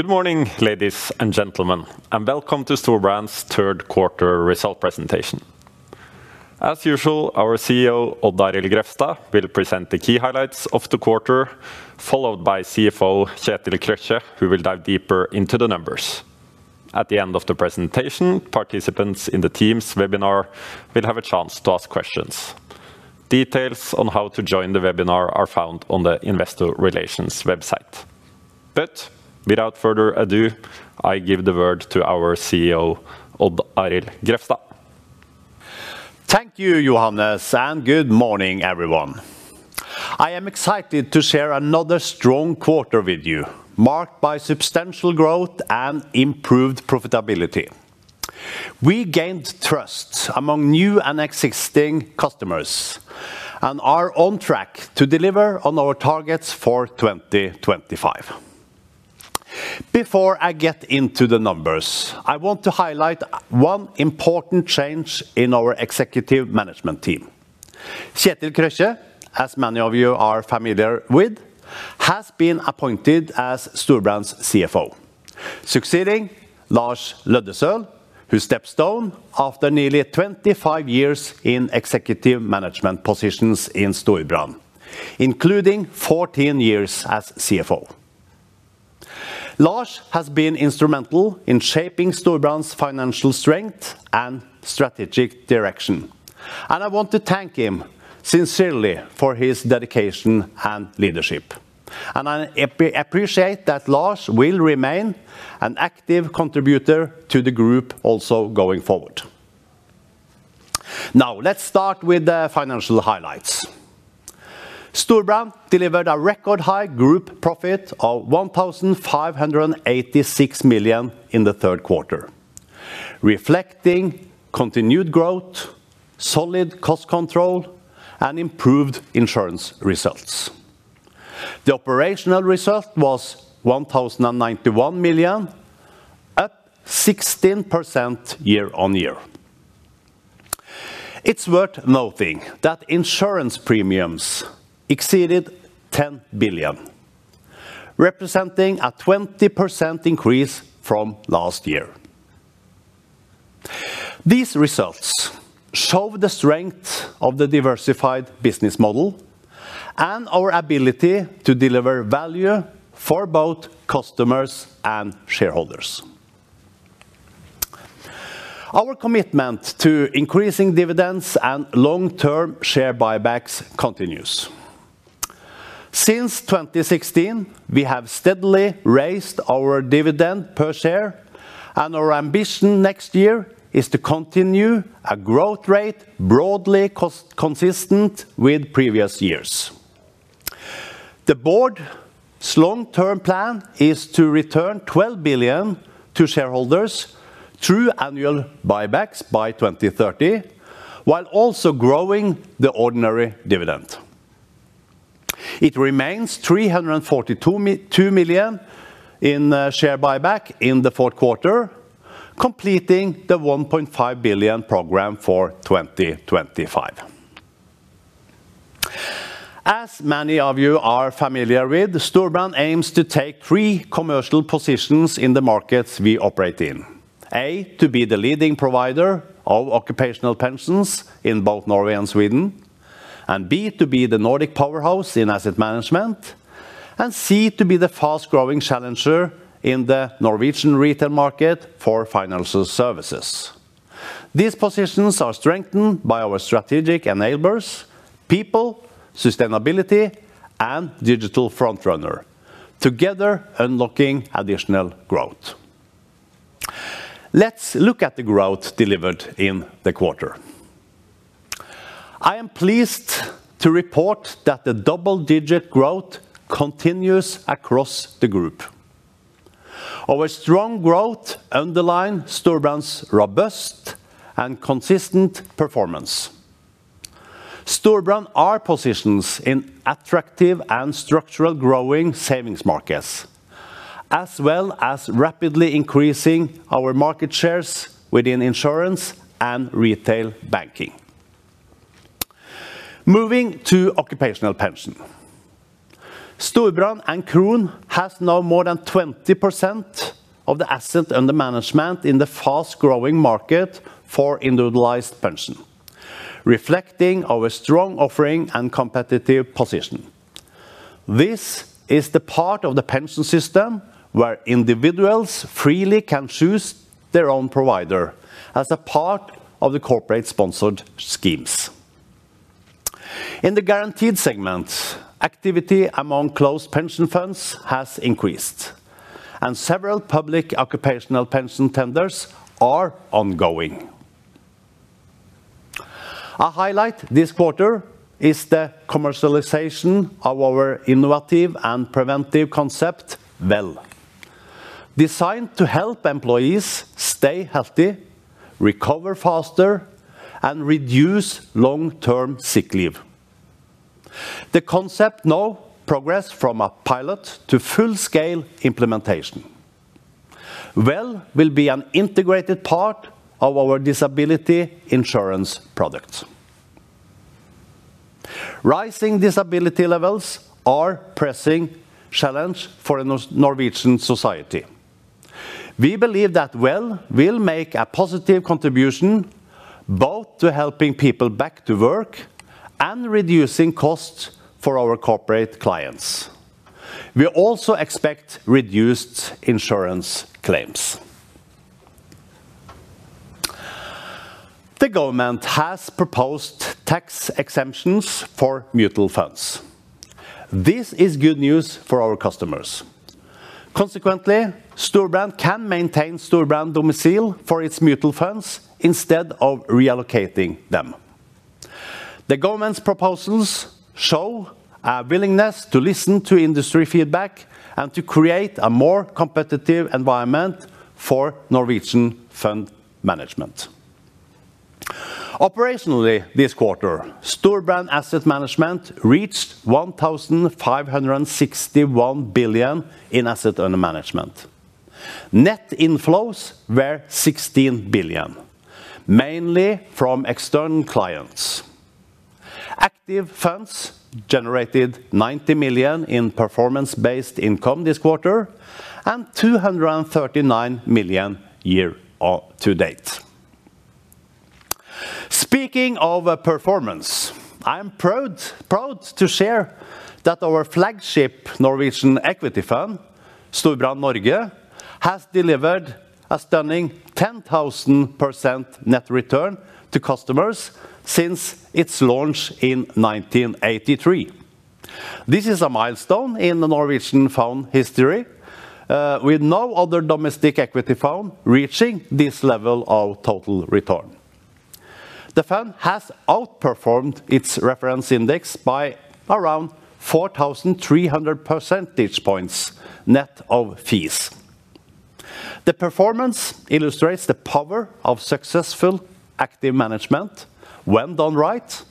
Good morning, ladies and gentlemen, and welcome to Storebrand's third quarter result presentation. As usual, our CEO, Odd Arild Grefstad, will present the key highlights of the quarter, followed by CFO Kjetil Krøtje, who will dive deeper into the numbers. At the end of the presentation, participants in the Teams webinar will have a chance to ask questions. Details on how to join the webinar are found on the Investor Relations website. Without further ado, I give the word to our CEO, Odd Arild Grefstad. Thank you, Johannes, and good morning, everyone. I am excited to share another strong quarter with you, marked by substantial growth and improved profitability. We gained trust among new and existing customers and are on track to deliver on our targets for 2025. Before I get into the numbers, I want to highlight one important change in our Executive Management Team. Kjetil Krøkje, as many of you are familiar with, has been appointed as Storebrand's CFO, succeeding Lars Løddesøl, who stepped down after nearly 25 years in executive management positions in Storebrand, including 14 years as CFO. Lars has been instrumental in shaping Storebrand's financial strength and strategic direction. I want to thank him sincerely for his dedication and leadership. I appreciate that Lars will remain an active contributor to the group also going forward. Now, let's start with the financial highlights. Storebrand delivered a record-high group profit of 1,586 million in the third quarter, reflecting continued growth, solid cost control, and improved insurance results. The operational result was 1,091 million up 16% year-on-year. It's worth noting that insurance premiums exceeded 10 billion, representing a 20% increase from last year. These results show the strength of the diversified business model and our ability to deliver value for both customers and shareholders. Our commitment to increasing dividends and long-term share buybacks continues. Since 2016, we have steadily raised our dividend per share, and our ambition next year is to continue a growth rate broadly consistent with previous years. The board's long-term plan is to return 12 billion to shareholders through annual buybacks by 2030, while also growing the ordinary dividend. It remains 342 million in share buyback in the fourth quarter, completing the 1.5 billion program for 2025. As many of you are familiar with, Storebrand aims to take three commercial positions in the markets we operate in: A, to be the leading provider of occupational pensions in both Norway and Sweden, and B, to be the Nordic powerhouse in asset management, and C, to be the fast-growing challenger in the Norwegian retail market for financial services. These positions are strengthened by our strategic enablers: People, Sustainability, and Digital Frontrunner, together unlocking additional growth. Let's look at the growth delivered in the quarter. I am pleased to report that the double-digit growth continues across the group. Our strong growth underlines Storebrand's robust and consistent performance. Storebrand's positions in attractive and structurally growing savings markets, as well as rapidly increasing our market shares within insurance and retail banking. Moving to occupational pension, Storebrand and Kron have now more than 20% of the assets under management in the fast-growing market for individualized pension, reflecting our strong offering and competitive position. This is the part of the pension system where individuals freely can choose their own provider as a part of the corporate-sponsored schemes. In the guaranteed segment, activity among closed pension funds has increased, and several public occupational pension tenders are ongoing. A highlight this quarter is the commercialization of our innovative and preventive concept, WELL, designed to help employees stay healthy, recover faster, and reduce long-term sick leave. The concept now progresses from a pilot to full-scale implementation. WELL will be an integrated part of our disability insurance products. Rising disability levels are a pressing challenge for Norwegian society. We believe that WELL will make a positive contribution both to helping people back to work and reducing costs for our corporate clients. We also expect reduced insurance claims. The government has proposed tax exemptions for mutual funds. This is good news for our customers. Consequently, Storebrand can maintain Storebrand Domicile for its mutual funds instead of reallocating them. The government's proposals show a willingness to listen to industry feedback and to create a more competitive environment for Norwegian fund management. Operationally, this quarter, Storebrand asset management reached [1,561 billion] in assets under management. Net inflows were 16 billion, mainly from external clients. Active funds generated 90 million in performance-based income this quarter and 239 million year to date. Speaking of performance, I am proud to share that our flagship Norwegian equity fund, Storebrand Norge, has delivered a stunning 10,000% net return to customers since its launch in 1983. This is a milestone in Norwegian fund history with no other domestic equity fund reaching this level of total return. The fund has outperformed its reference index by around 4,300 percentage points net of fees. The performance illustrates the power of successful active management when done right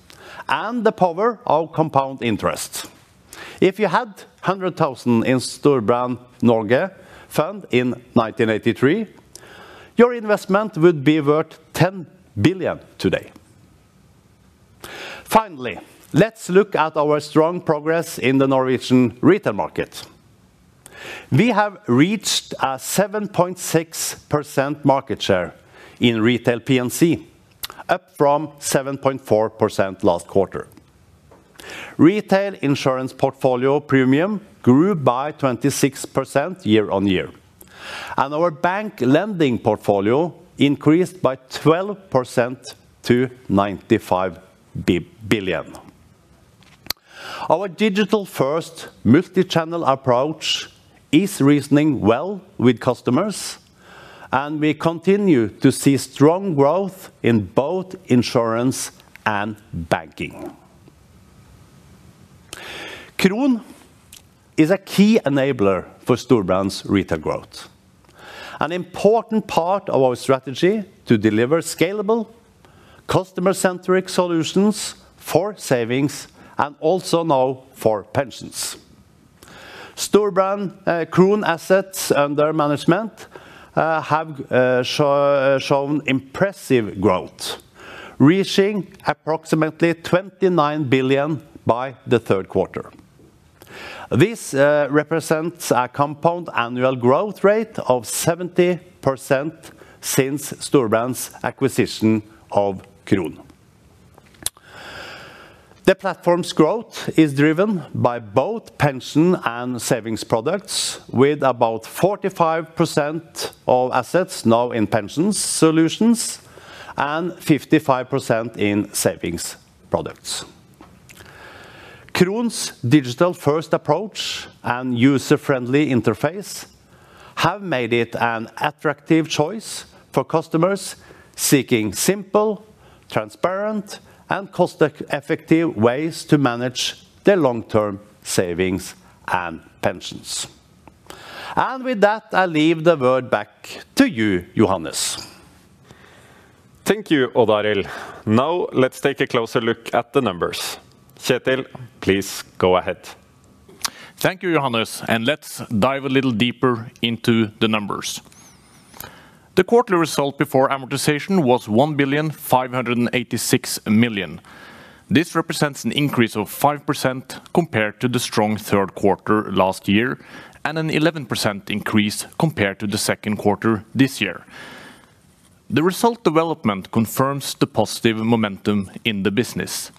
and the power of compound interest. If you had 100,000 in Storebrand Norge fund in 1983, your investment would be worth 10 billion today. Finally, let's look at our strong progress in the Norwegian retail market. We have reached a 7.6% market share in retail P&C insurance, up from 7.4% last quarter. Retail insurance portfolio premium grew by 26% year-on-year, and our bank lending portfolio increased by 12% to 95 billion. Our digital-first multi-channel approach is resonating well with customers, and we continue to see strong growth in both insurance and banking. Kron is a key enabler for Storebrand's retail growth, an important part of our strategy to deliver scalable, customer-centric solutions for savings and also now for pensions. Storebrand Kron assets under management have shown impressive growth, reaching approximately 29 billion by the third quarter. This represents a compound annual growth rate of 70% since Storebrand's acquisition of Kron. The platform's growth is driven by both pension and savings products, with about 45% of assets now in pension solutions and 55% in savings products. Kron's digital-first approach and user-friendly interface have made it an attractive choice for customers seeking simple, transparent, and cost-effective ways to manage their long-term savings and pensions. I leave the word back to you, Johannes. Thank you, Odd Arild. Now, let's take a closer look at the numbers. Kjetil, please go ahead. Thank you, Johannes. Let's dive a little deeper into the numbers. The quarterly result before amortization was 1,586,000,000. This represents an increase of 5% compared to the strong third quarter last year and an 11% increase compared to the second quarter this year. The result development confirms the positive momentum in the business.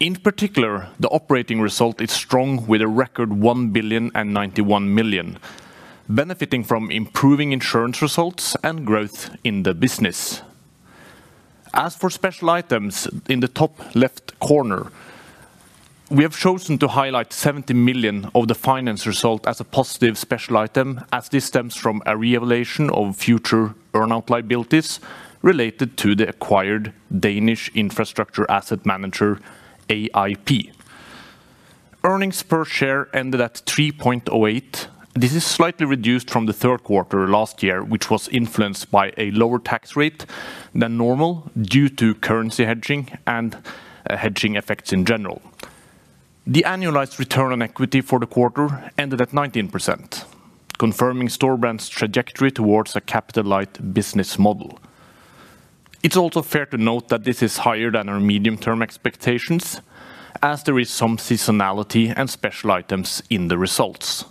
In particular, the operating result is strong with a record 1,091,000,000, benefiting from improving insurance results and growth in the business. As for special items in the top left corner, we have chosen to highlight 70 million of the finance result as a positive special item, as this stems from a reevaluation of future burnout liabilities related to the acquired Danish infrastructure asset manager, AIP Management. Earnings per share ended at 3.08. This is slightly reduced from the third quarter last year, which was influenced by a lower tax rate than normal due to currency hedging and hedging effects in general. The annualized return on equity for the quarter ended at 19%, confirming Storebrand's trajectory towards a capital-light business model. It's also fair to note that this is higher than our medium-term expectations, as there is some seasonality and special items in the results.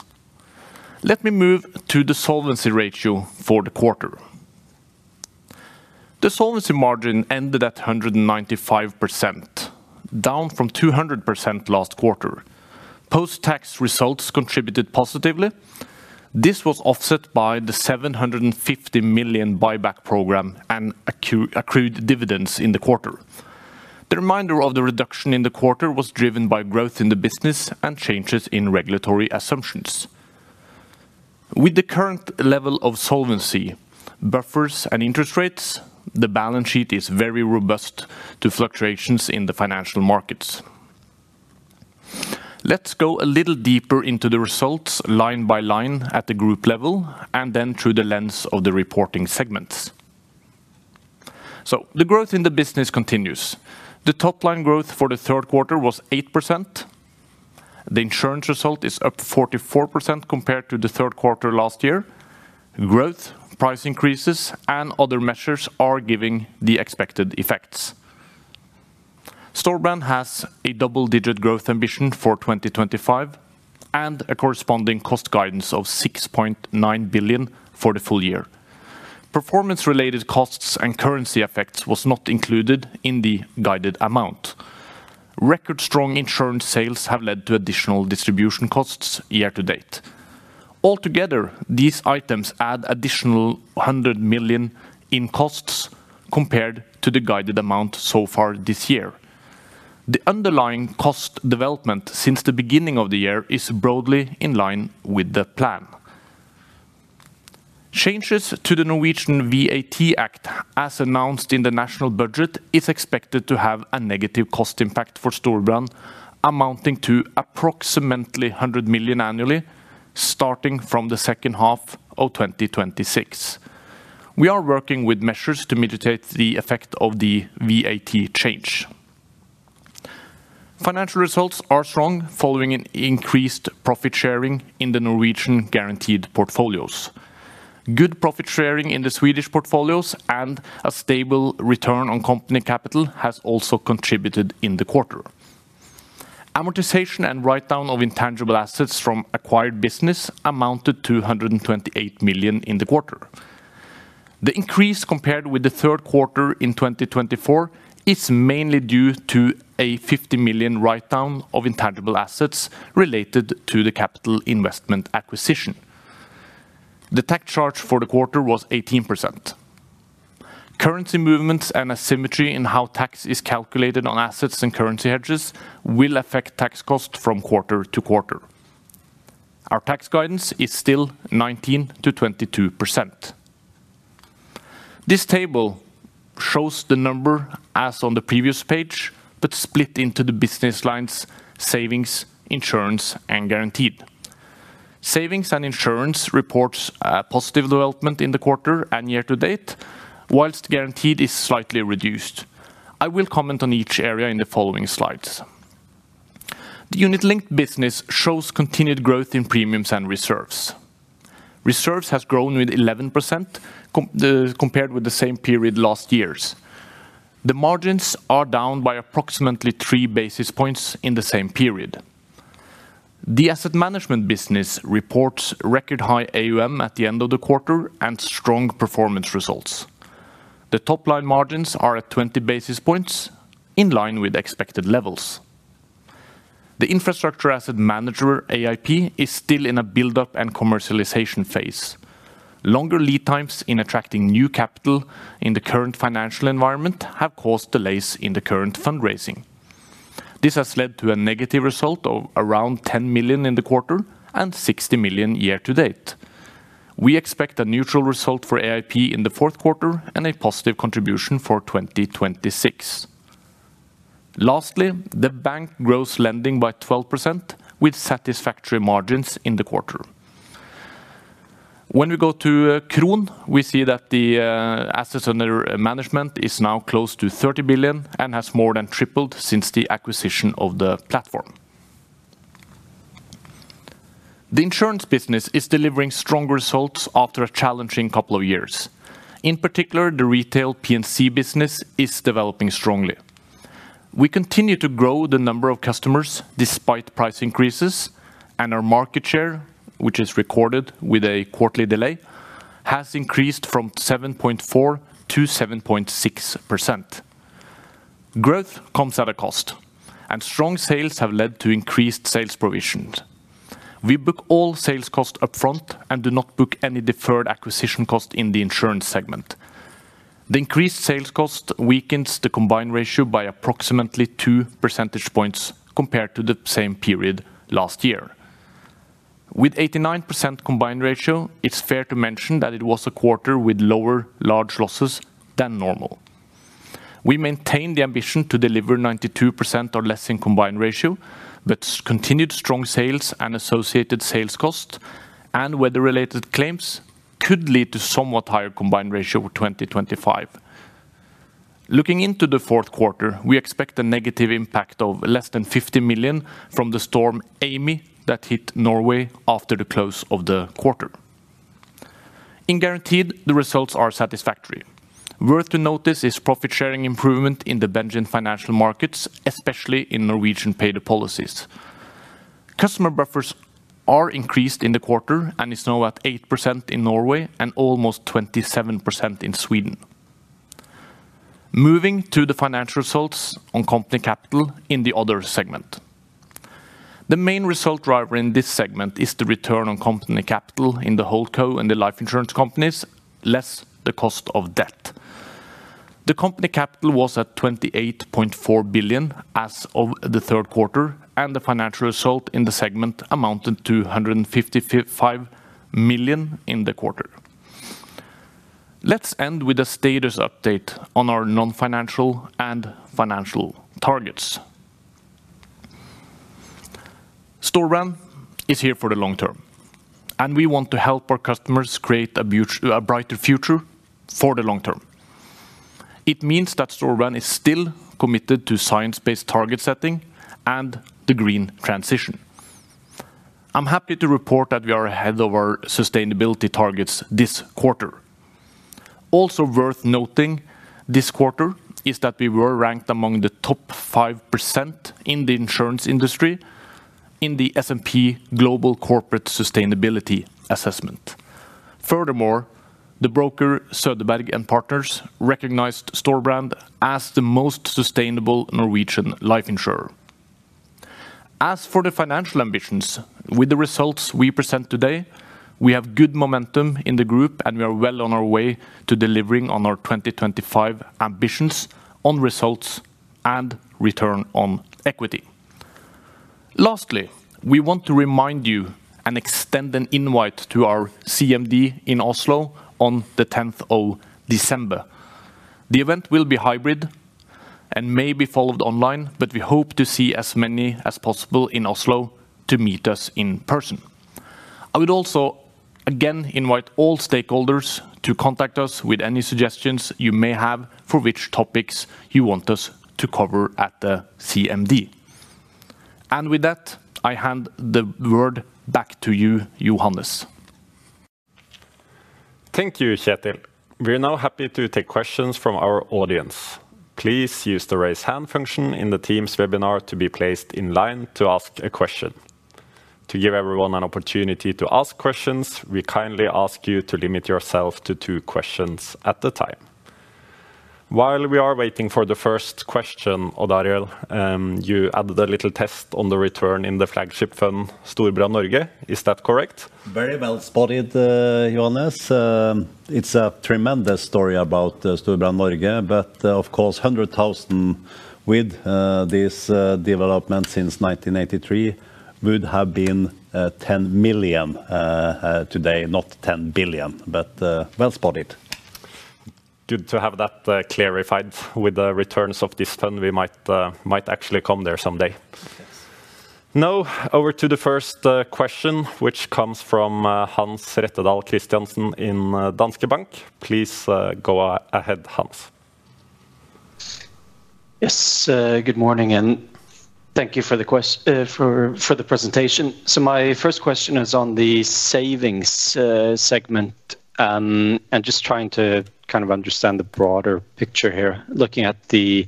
Let me move to the solvency ratio for the quarter. The solvency margin ended at 195%, down from 200% last quarter. Post-tax results contributed positively. This was offset by the 750 million buyback program and accrued dividends in the quarter. The remainder of the reduction in the quarter was driven by growth in the business and changes in regulatory assumptions. With the current level of solvency, buffers, and interest rates, the balance sheet is very robust to fluctuations in the financial markets. Let's go a little deeper into the results line by line at the group level and then through the lens of the reporting segments. The growth in the business continues. The top-line growth for the third quarter was 8%. The insurance result is up 44% compared to the third quarter last year. Growth, price increases, and other measures are giving the expected effects. Storebrand has a double-digit growth ambition for 2025 and a corresponding cost guidance of 6.9 billion for the full year. Performance-related costs and currency effects were not included in the guided amount. Record-strong insurance sales have led to additional distribution costs year to date. Altogether, these items add an additional 100 million in costs compared to the guided amount so far this year. The underlying cost development since the beginning of the year is broadly in line with the plan. Changes to the Norwegian VAT Act, as announced in the national budget, are expected to have a negative cost impact for Storebrand, amounting to approximately 100 million annually, starting from the second half of 2026. We are working with measures to mitigate the effect of the VAT change. Financial results are strong following an increased profit sharing in the Norwegian guaranteed portfolios. Good profit sharing in the Swedish portfolios and a stable return on company capital have also contributed in the quarter. Amortization and write-down of intangible assets from acquired business amounted to 128 million in the quarter. The increase compared with the third quarter in 2024 is mainly due to a 50 million write-down of intangible assets related to the capital investment acquisition. The tax charge for the quarter was 18%. Currency movements and asymmetry in how tax is calculated on assets and currency hedges will affect tax costs from quarter to quarter. Our tax guidance is still 19%-22%. This table shows the number as on the previous page, but split into the business lines, savings, insurance, and guaranteed. Savings and insurance report positive development in the quarter and year to date, whilst guaranteed is slightly reduced. I will comment on each area in the following slides. The unit-linked business shows continued growth in premiums and reserves. Reserves have grown with 11% compared with the same period last year. The margins are down by approximately 3 basis points in the same period. The asset management business reports record high AUM at the end of the quarter and strong performance results. The top-line margins are at 20 basis points, in line with expected levels. The Infrastructure Asset Manager, AIP, is still in a build-up and commercialization phase. Longer lead times in attracting new capital in the current financial environment have caused delays in the current fundraising. This has led to a negative result of around 10 million in the quarter and 60 million year to date. We expect a neutral result for AIP in the fourth quarter and a positive contribution for 2026. Lastly, the bank grows lending by 12% with satisfactory margins in the quarter. When we go to Kron, we see that the assets under management are now close to 30 billion and have more than tripled since the acquisition of the platform. The insurance business is delivering strong results after a challenging couple of years. In particular, the retail P&C insurance business is developing strongly. We continue to grow the number of customers despite price increases, and our market share, which is recorded with a quarterly delay, has increased from 7.4% to 7.6%. Growth comes at a cost, and strong sales have led to increased sales provisions. We book all sales costs upfront and do not book any deferred acquisition costs in the insurance segment. The increased sales cost weakens the combined ratio by approximately 2% compared to the same period last year. With an 89% combined ratio, it's fair to mention that it was a quarter with lower large losses than normal. We maintain the ambition to deliver 92% or less in combined ratio, but continued strong sales and associated sales costs and weather-related claims could lead to a somewhat higher combined ratio for 2025. Looking into the fourth quarter, we expect a negative impact of less than 50 million from the storm Amy that hit Norway after the close of the quarter. In guaranteed, the results are satisfactory. Worth to notice is profit sharing improvement in the benign financial markets, especially in Norwegian paid-up policies. Customer buffers are increased in the quarter and are now at 8% in Norway and almost 27% in Sweden. Moving to the financial results on company capital in the other segment. The main result driver in this segment is the return on company capital in the HoldCo and the life insurance companies, less the cost of debt. The company capital was at 28.4 billion as of the third quarter, and the financial result in the segment amounted to 155 million in the quarter. Let's end with a status update on our non-financial and financial targets. Storebrand is here for the long term, and we want to help our customers create a brighter future for the long term. It means that Storebrand is still committed to science-based target setting and the green transition. I'm happy to report that we are ahead of our sustainability targets this quarter. Also worth noting this quarter is that we were ranked among the top 5% in the insurance industry in the S&P Global Corporate Sustainability Assessment. Furthermore, the broker Söderberg & Partners recognized Storebrand as the most sustainable Norwegian life insurer. As for the financial ambitions, with the results we present today, we have good momentum in the group, and we are well on our way to delivering on our 2025 ambitions on results and return on equity. Lastly, we want to remind you and extend an invite to our CMD in Oslo on the 10th of December. The event will be hybrid and may be followed online, but we hope to see as many as possible in Oslo to meet us in person. I would also again invite all stakeholders to contact us with any suggestions you may have for which topics you want us to cover at the CMD. With that, I hand the word back to you, Johannes. Thank you, Kjetil. We are now happy to take questions from our audience. Please use the raise hand function in the Teams webinar to be placed in line to ask a question. To give everyone an opportunity to ask questions, we kindly ask you to limit yourself to two questions at a time. While we are waiting for the first question, Odd Arild, you added a little test on the return in the flagship fund, Storebrand Norge. Is that correct? Very well spotted, Johannes. It's a tremendous story about Storebrand Norge, but of course, $100,000 with this development since 1983 would have been $10 million today, not $10 billion, but well spotted. Good to have that clarified with the returns of this fund. We might actually come there someday. Now, over to the first question, which comes from Hans Rettedal Christiansen in Danske Bank. Please go ahead, Hans. Yes, good morning, and thank you for the presentation. My first question is on the savings segment and just trying to kind of understand the broader picture here. Looking at the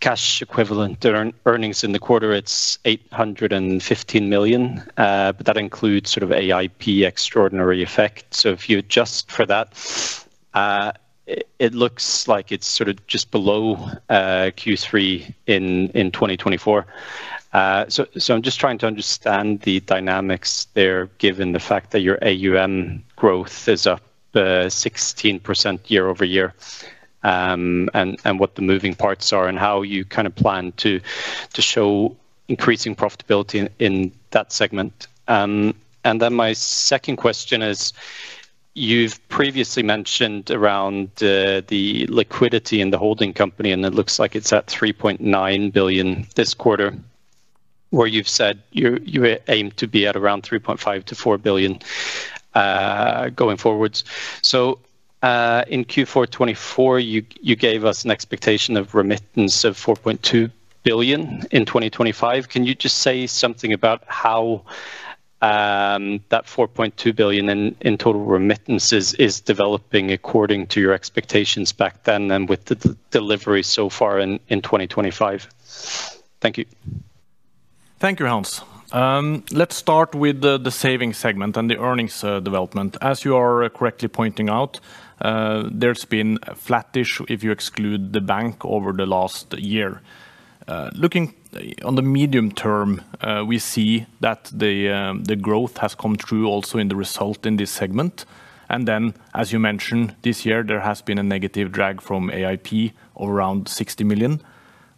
cash equivalent earnings in the quarter, it's 815 million, but that includes sort of AIP extraordinary effects. If you adjust for that, it looks like it's just below Q3 in 2024. I'm just trying to understand the dynamics there, given the fact that your AUM growth is year-over-year, and what the moving parts are and how you kind of plan to show increasing profitability in that segment. My second question is, you've previously mentioned around the liquidity in the holding company, and it looks like it's at 3.9 billion this quarter, where you've said you aim to be at around 3.5 billion-4 billion going forward. In Q4 2024, you gave us an expectation of remittance of 4.2 billion in 2025. Can you just say something about how that 4.2 billion in total remittances is developing according to your expectations back then and with the delivery so far in 2025? Thank you. Thank you, Hans. Let's start with the savings segment and the earnings development. As you are correctly pointing out, there's been a flattish if you exclude the bank over the last year. Looking on the medium term, we see that the growth has come true also in the result in this segment. As you mentioned, this year there has been a negative drag from AIP Management of around 60 million.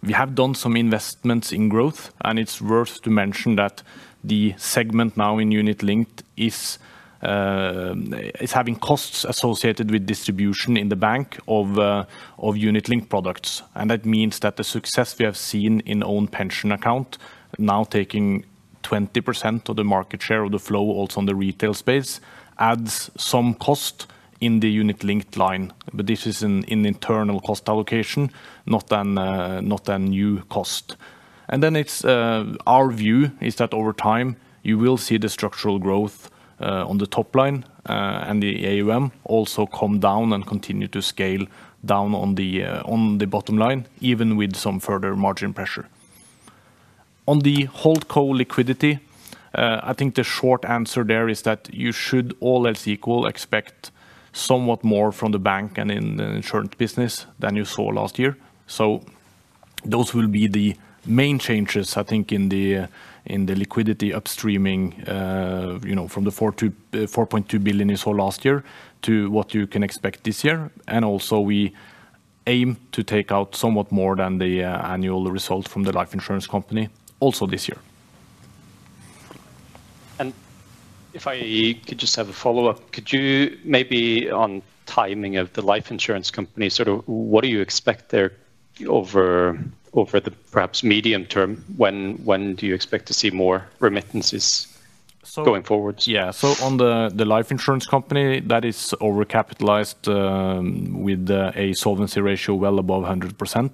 We have done some investments in growth, and it's worth to mention that the segment now in unit-linked is having costs associated with distribution in the bank of unit-linked products. That means that the success we have seen in the own pension account, now taking 20% of the market share of the flow, also in the retail space, adds some cost in the unit-linked line. This is an internal cost allocation, not a new cost. Our view is that over time you will see the structural growth on the top line and the AUM also come down and continue to scale down on the bottom line, even with some further margin pressure. On the whole co liquidity, I think the short answer there is that you should all else equal expect somewhat more from the bank and in the insurance business than you saw last year. Those will be the main changes, I think, in the liquidity upstreaming from the 4.2 billion you saw last year to what you can expect this year. We aim to take out somewhat more than the annual result from the life insurance company also this year. If I could just have a follow-up, could you maybe on timing of the life insurance company, sort of what do you expect there over the perhaps medium term? When do you expect to see more remittances going forward? On the life insurance company that is over-capitalized with a solvency ratio well above 100%,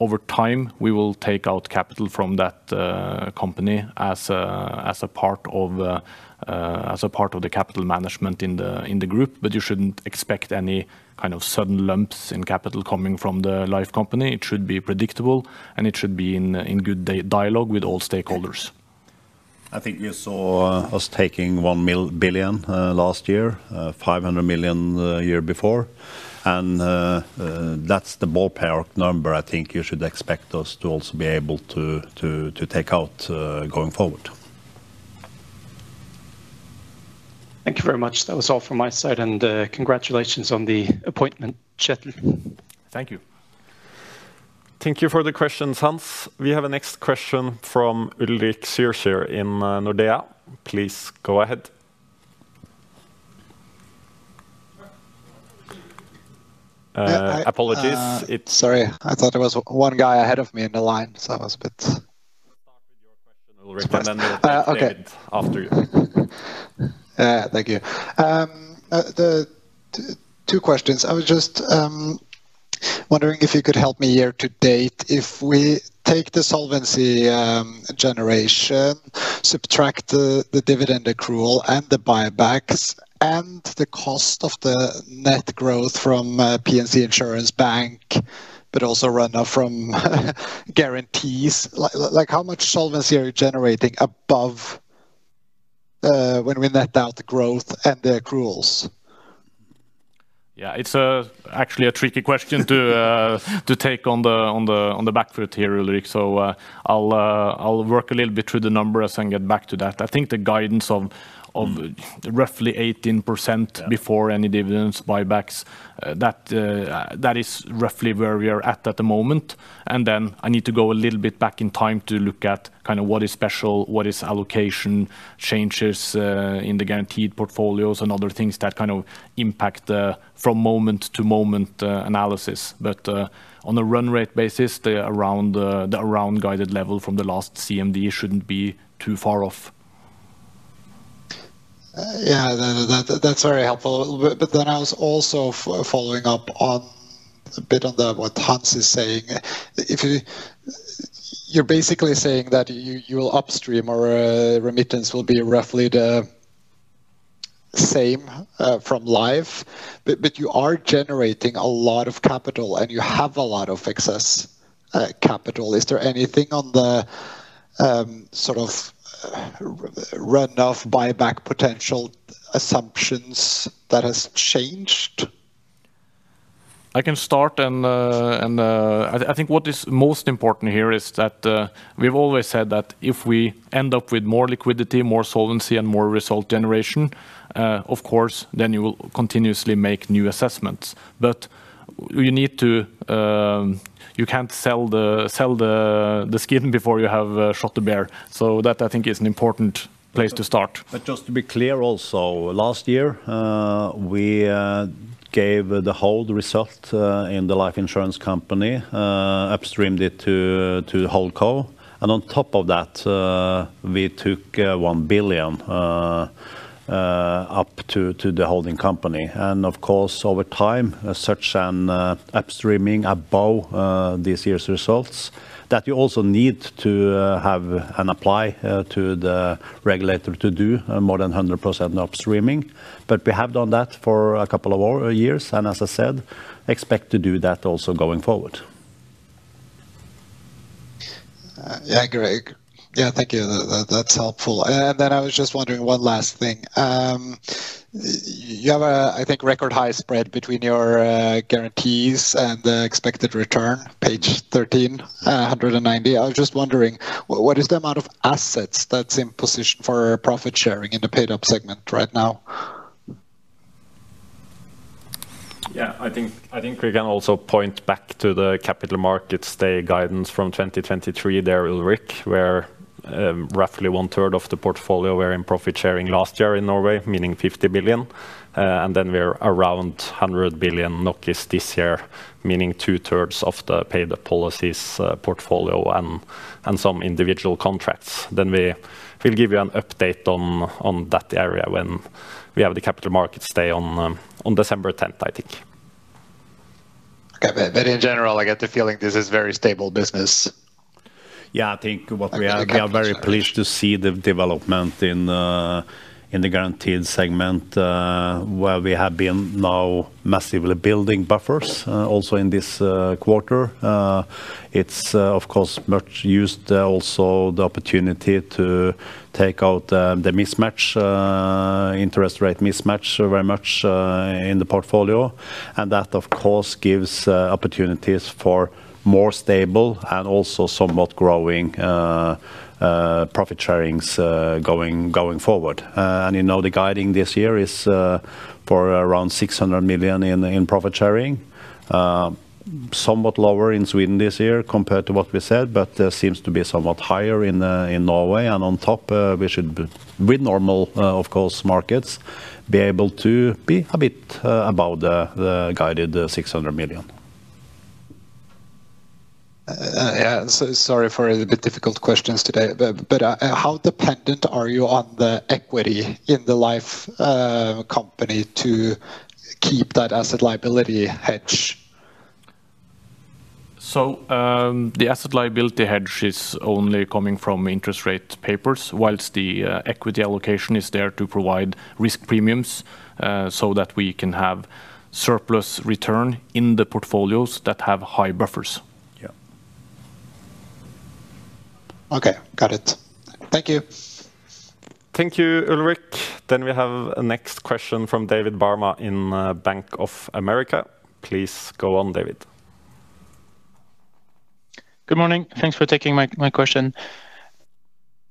over time, we will take out capital from that company as a part of the capital management in the group. You shouldn't expect any kind of sudden lumps in capital coming from the life company. It should be predictable, and it should be in good dialogue with all stakeholders. I think you saw us taking 1 billion last year, 500 million the year before. That's the ballpark number I think you should expect us to also be able to take out going forward. Thank you very much. That was all from my side. Congratulations on the appointment, Kjetil. Thank you. Thank you for the questions, Hans. We have a next question from Ulrik Zürcher in Nordea. Please go ahead. Apologies. Sorry, I thought there was one guy ahead of me in the line, so I was a bit... After you. Thank you. Two questions. I was just wondering if you could help me year to date. If we take the solvency generation, subtract the dividend accrual and the buybacks and the cost of the net growth from P&C insurance, but also runoff from guarantees, how much solvency are you generating above when we net out the growth and the accruals? Yeah, it's actually a tricky question to take on the back foot here, Ulrik. I'll work a little bit through the numbers and get back to that. I think the guidance of roughly 18% before any dividends or buybacks, that is roughly where we are at at the moment. I need to go a little bit back in time to look at kind of what is special, what is allocation, changes in the guaranteed portfolios, and other things that impact the from moment to moment analysis. On a run rate basis, the around guided level from the last CMD shouldn't be too far off. Yeah, that's very helpful. I was also following up a bit on what Hans is saying. You're basically saying that your upstream or remittance will be roughly the same from life, but you are generating a lot of capital and you have a lot of excess capital. Is there anything on the sort of runoff buyback potential assumptions that has changed? I can start. I think what is most important here is that we've always said that if we end up with more liquidity, more solvency, and more result generation, of course, then you will continuously make new assessments. You can't sell the skin before you have shot the bear. I think that is an important place to start. Just to be clear, also last year we gave the whole result in the life insurance company, upstreamed it to the whole co. On top of that, we took 1 billion up to the holding company. Of course, over time, such an upstreaming above this year's results means that you also need to apply to the regulator to do more than 100% upstreaming. We have done that for a couple of years, and as I said, expect to do that also going forward. Yeah, great. Thank you. That's helpful. I was just wondering one last thing. You have a, I think, record high spread between your guarantees and the expected return, page 13, 190. I was just wondering, what is the amount of assets that's in position for profit sharing in the paid-up segment right now? Yeah, I think we can also point back to the capital markets day guidance from 2023 there, Ulrik, where roughly 1/3 of the portfolio were in profit sharing last year in Norway, meaning 50 million. We're around 100 billion this year, meaning 2/3 of the paid-up policies portfolio and some individual contracts. We'll give you an update on that area when we have the capital markets day on December 10, I think. Okay, in general, I get the feeling this is a very stable business. Yeah, I think we are very pleased to see the development in the guaranteed segment where we have been now massively building buffers also in this quarter. It's of course much used also the opportunity to take out the mismatch, interest rate mismatch very much in the portfolio. That of course gives opportunities for more stable and also somewhat growing profit sharings going forward. You know the guiding this year is for around 600 million in profit sharing, somewhat lower in Sweden this year compared to what we said, but seems to be somewhat higher in Norway. On top, we should, with normal of course markets, be able to be a bit above the guided NOK 600 million. Sorry for the difficult questions today, but how dependent are you on the equity in the life company to keep that asset liability hedge? The asset liability hedge is only coming from interest rate papers, while the equity allocation is there to provide risk premiums so that we can have surplus return in the portfolios that have high buffers. Yeah, okay, got it. Thank you. Thank you, Ulrik. We have a next question from David Barma in Bank of America. Please go on, David. Good morning. Thanks for taking my question.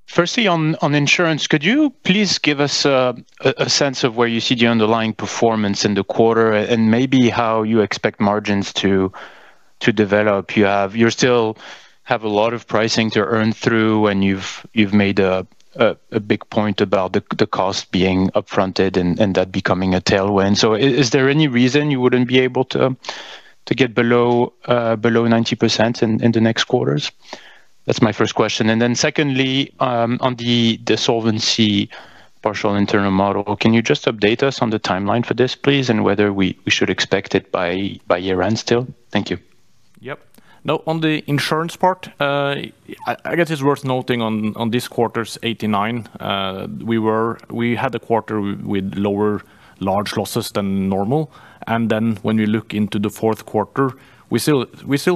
Firstly, on insurance, could you please give us a sense of where you see the underlying performance in the quarter and maybe how you expect margins to develop? You still have a lot of pricing to earn through, and you've made a big point about the cost being upfronted and that becoming a tailwind. Is there any reason you wouldn't be able to get below 90% in the next quarters? That's my first question. Secondly, on the solvency partial internal model, can you just update us on the timeline for this, please, and whether we should expect it by year-end still? Thank you. Yep. No, on the insurance part, I guess it's worth noting on this quarter's 89%. We had a quarter with lower large losses than normal. When we look into the fourth quarter, we still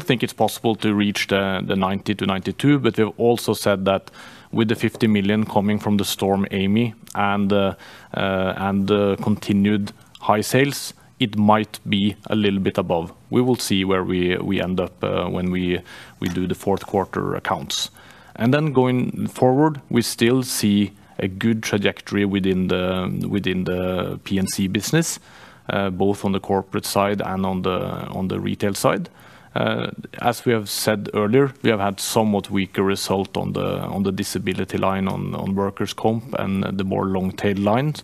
think it's possible to reach the 90%-92%, but we've also said that with the 50 million coming from the Storm Amy and the continued high sales, it might be a little bit above. We will see where we end up when we do the fourth quarter accounts. Going forward, we still see a good trajectory within the P&C business, both on the corporate side and on the retail side. As we have said earlier, we have had somewhat weaker result on the disability line on workers' comp and the more long-tail lines.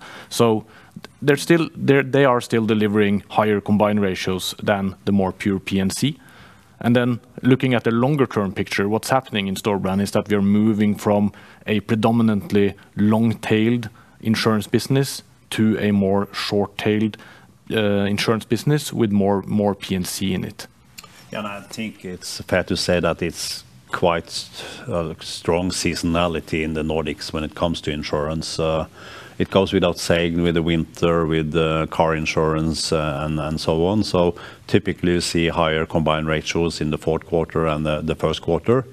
They are still delivering higher combined ratios than the more pure P&C. Looking at the longer-term picture, what's happening in Storebrand is that we are moving from a predominantly long-tailed insurance business to a more short-tailed insurance business with more P&C in it. Yeah, I think it's fair to say that there's quite a strong seasonality in the Nordics when it comes to insurance. It goes without saying with the winter, with car insurance, and so on. Typically, you see higher combined ratios in the fourth quarter and the first quarter.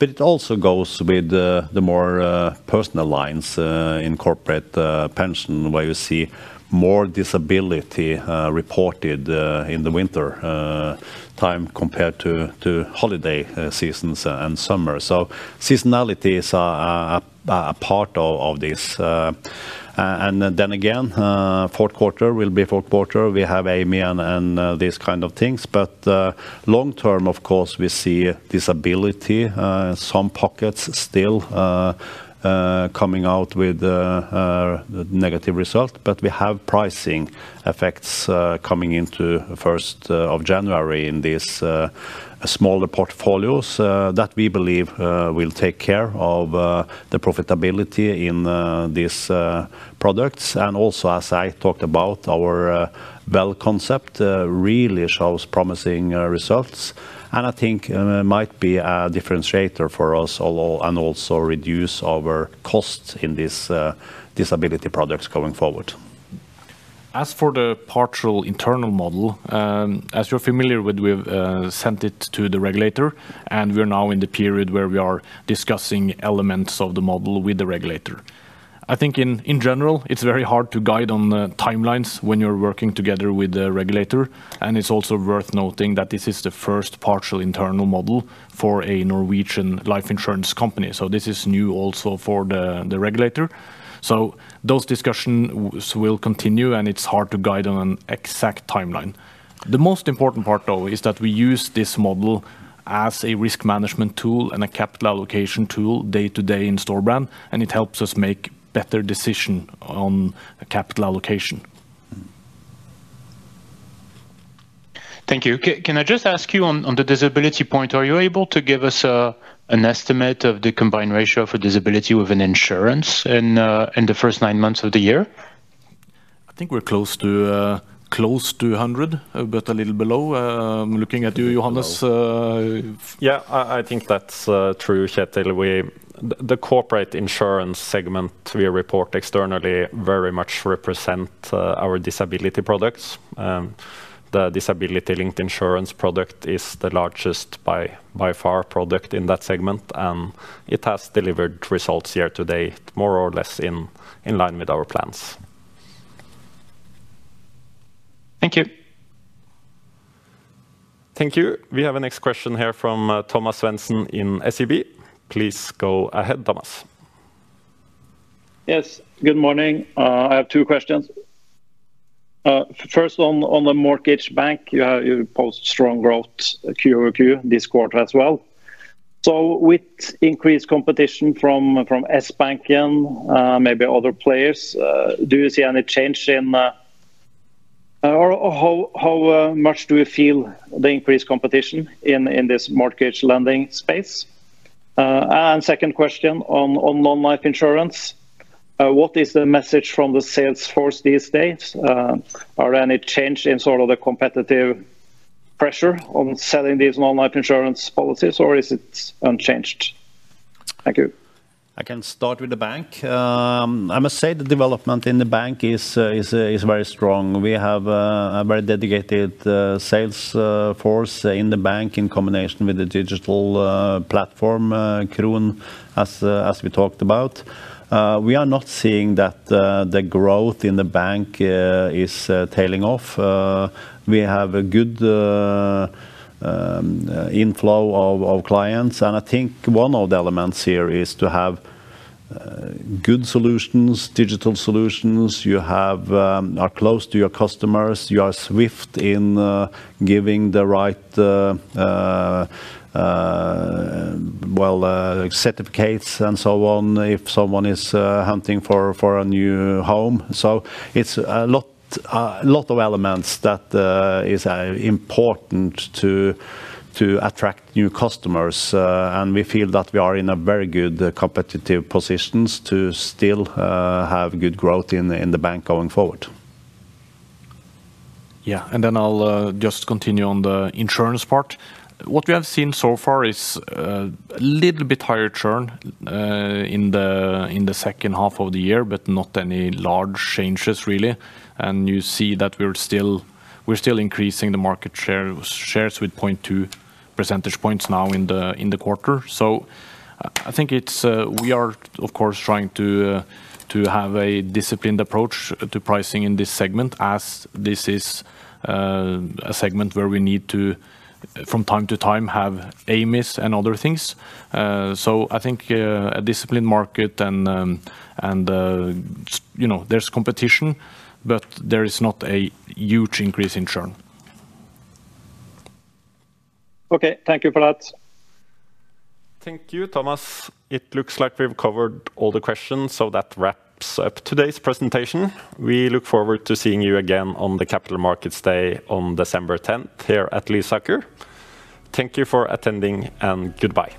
It also goes with the more personal lines in corporate pension where you see more disability reported in the wintertime compared to holiday seasons and summer. Seasonality is a part of this. Fourth quarter will be fourth quarter. We have Amy and these kinds of things. Long term, of course, we see disability, some pockets still coming out with negative results. We have pricing effects coming into the first of January in these smaller portfolios that we believe will take care of the profitability in these products. Also, as I talked about, our WELL concept really shows promising results. I think it might be a differentiator for us and also reduce our costs in these disability products going forward. As for the partial internal model, as you're familiar with, we've sent it to the regulator. We are now in the period where we are discussing elements of the model with the regulator. I think in general, it's very hard to guide on timelines when you're working together with the regulator. It's also worth noting that this is the first partial internal model for a Norwegian life insurance company. This is new also for the regulator. Those discussions will continue, and it's hard to guide on an exact timeline. The most important part, though, is that we use this model as a risk management tool and a capital allocation tool day-to-day in Storebrand. It helps us make better decisions on capital allocation. Thank you. Can I just ask you on the disability point, are you able to give us an estimate of the combined ratio for disability within insurance in the first nine months of the year? I think we're close to 100, but a little below. I'm looking at you, Johannes. Yeah, I think that's true, Kjetil. The corporate insurance segment we report externally very much represents our disability products. The disability linked insurance product is the largest by far product in that segment, and it has delivered results year to date, more or less in line with our plans. Thank you. Thank you. We have a next question here from Thomas Svendsen in SEB. Please go ahead, Thomas. Yes, good morning. I have two questions. First, on the mortgage bank, you post strong growth QOQ this quarter as well. With increased competition from S-Bank and maybe other players, do you see any change in, or how much do you feel the increased competition in this mortgage lending space? Second question on non-life insurance, what is the message from the sales force these days? Are there any changes in sort of the competitive pressure on selling these non-life insurance policies, or is it unchanged? Thank you. I can start with the bank. I must say the development in the bank is very strong. We have a very dedicated sales force in the bank in combination with the digital platform, Kron, as we talked about. We are not seeing that the growth in the bank is tailing off. We have a good inflow of clients. I think one of the elements here is to have good solutions, digital solutions. You are close to your customers. You are swift in giving the right certificates and so on if someone is hunting for a new home. It's a lot of elements that are important to attract new customers. We feel that we are in a very good competitive position to still have good growth in the bank going forward. Yeah, I'll just continue on the insurance part. What we have seen so far is a little bit higher churn in the second half of the year, but not any large changes really. You see that we're still increasing the market shares with 0.2% now in the quarter. I think we are, of course, trying to have a disciplined approach to pricing in this segment, as this is a segment where we need to, from time to time, have A-miss and other things. I think a disciplined market and there's competition, but there is not a huge increase in churn. Okay, thank you for that. Thank you, Thomas. It looks like we've covered all the questions, so that wraps up today's presentation. We look forward to seeing you again on the Capital Markets Day on December 10th here at Lysaker. Thank you for attending and goodbye.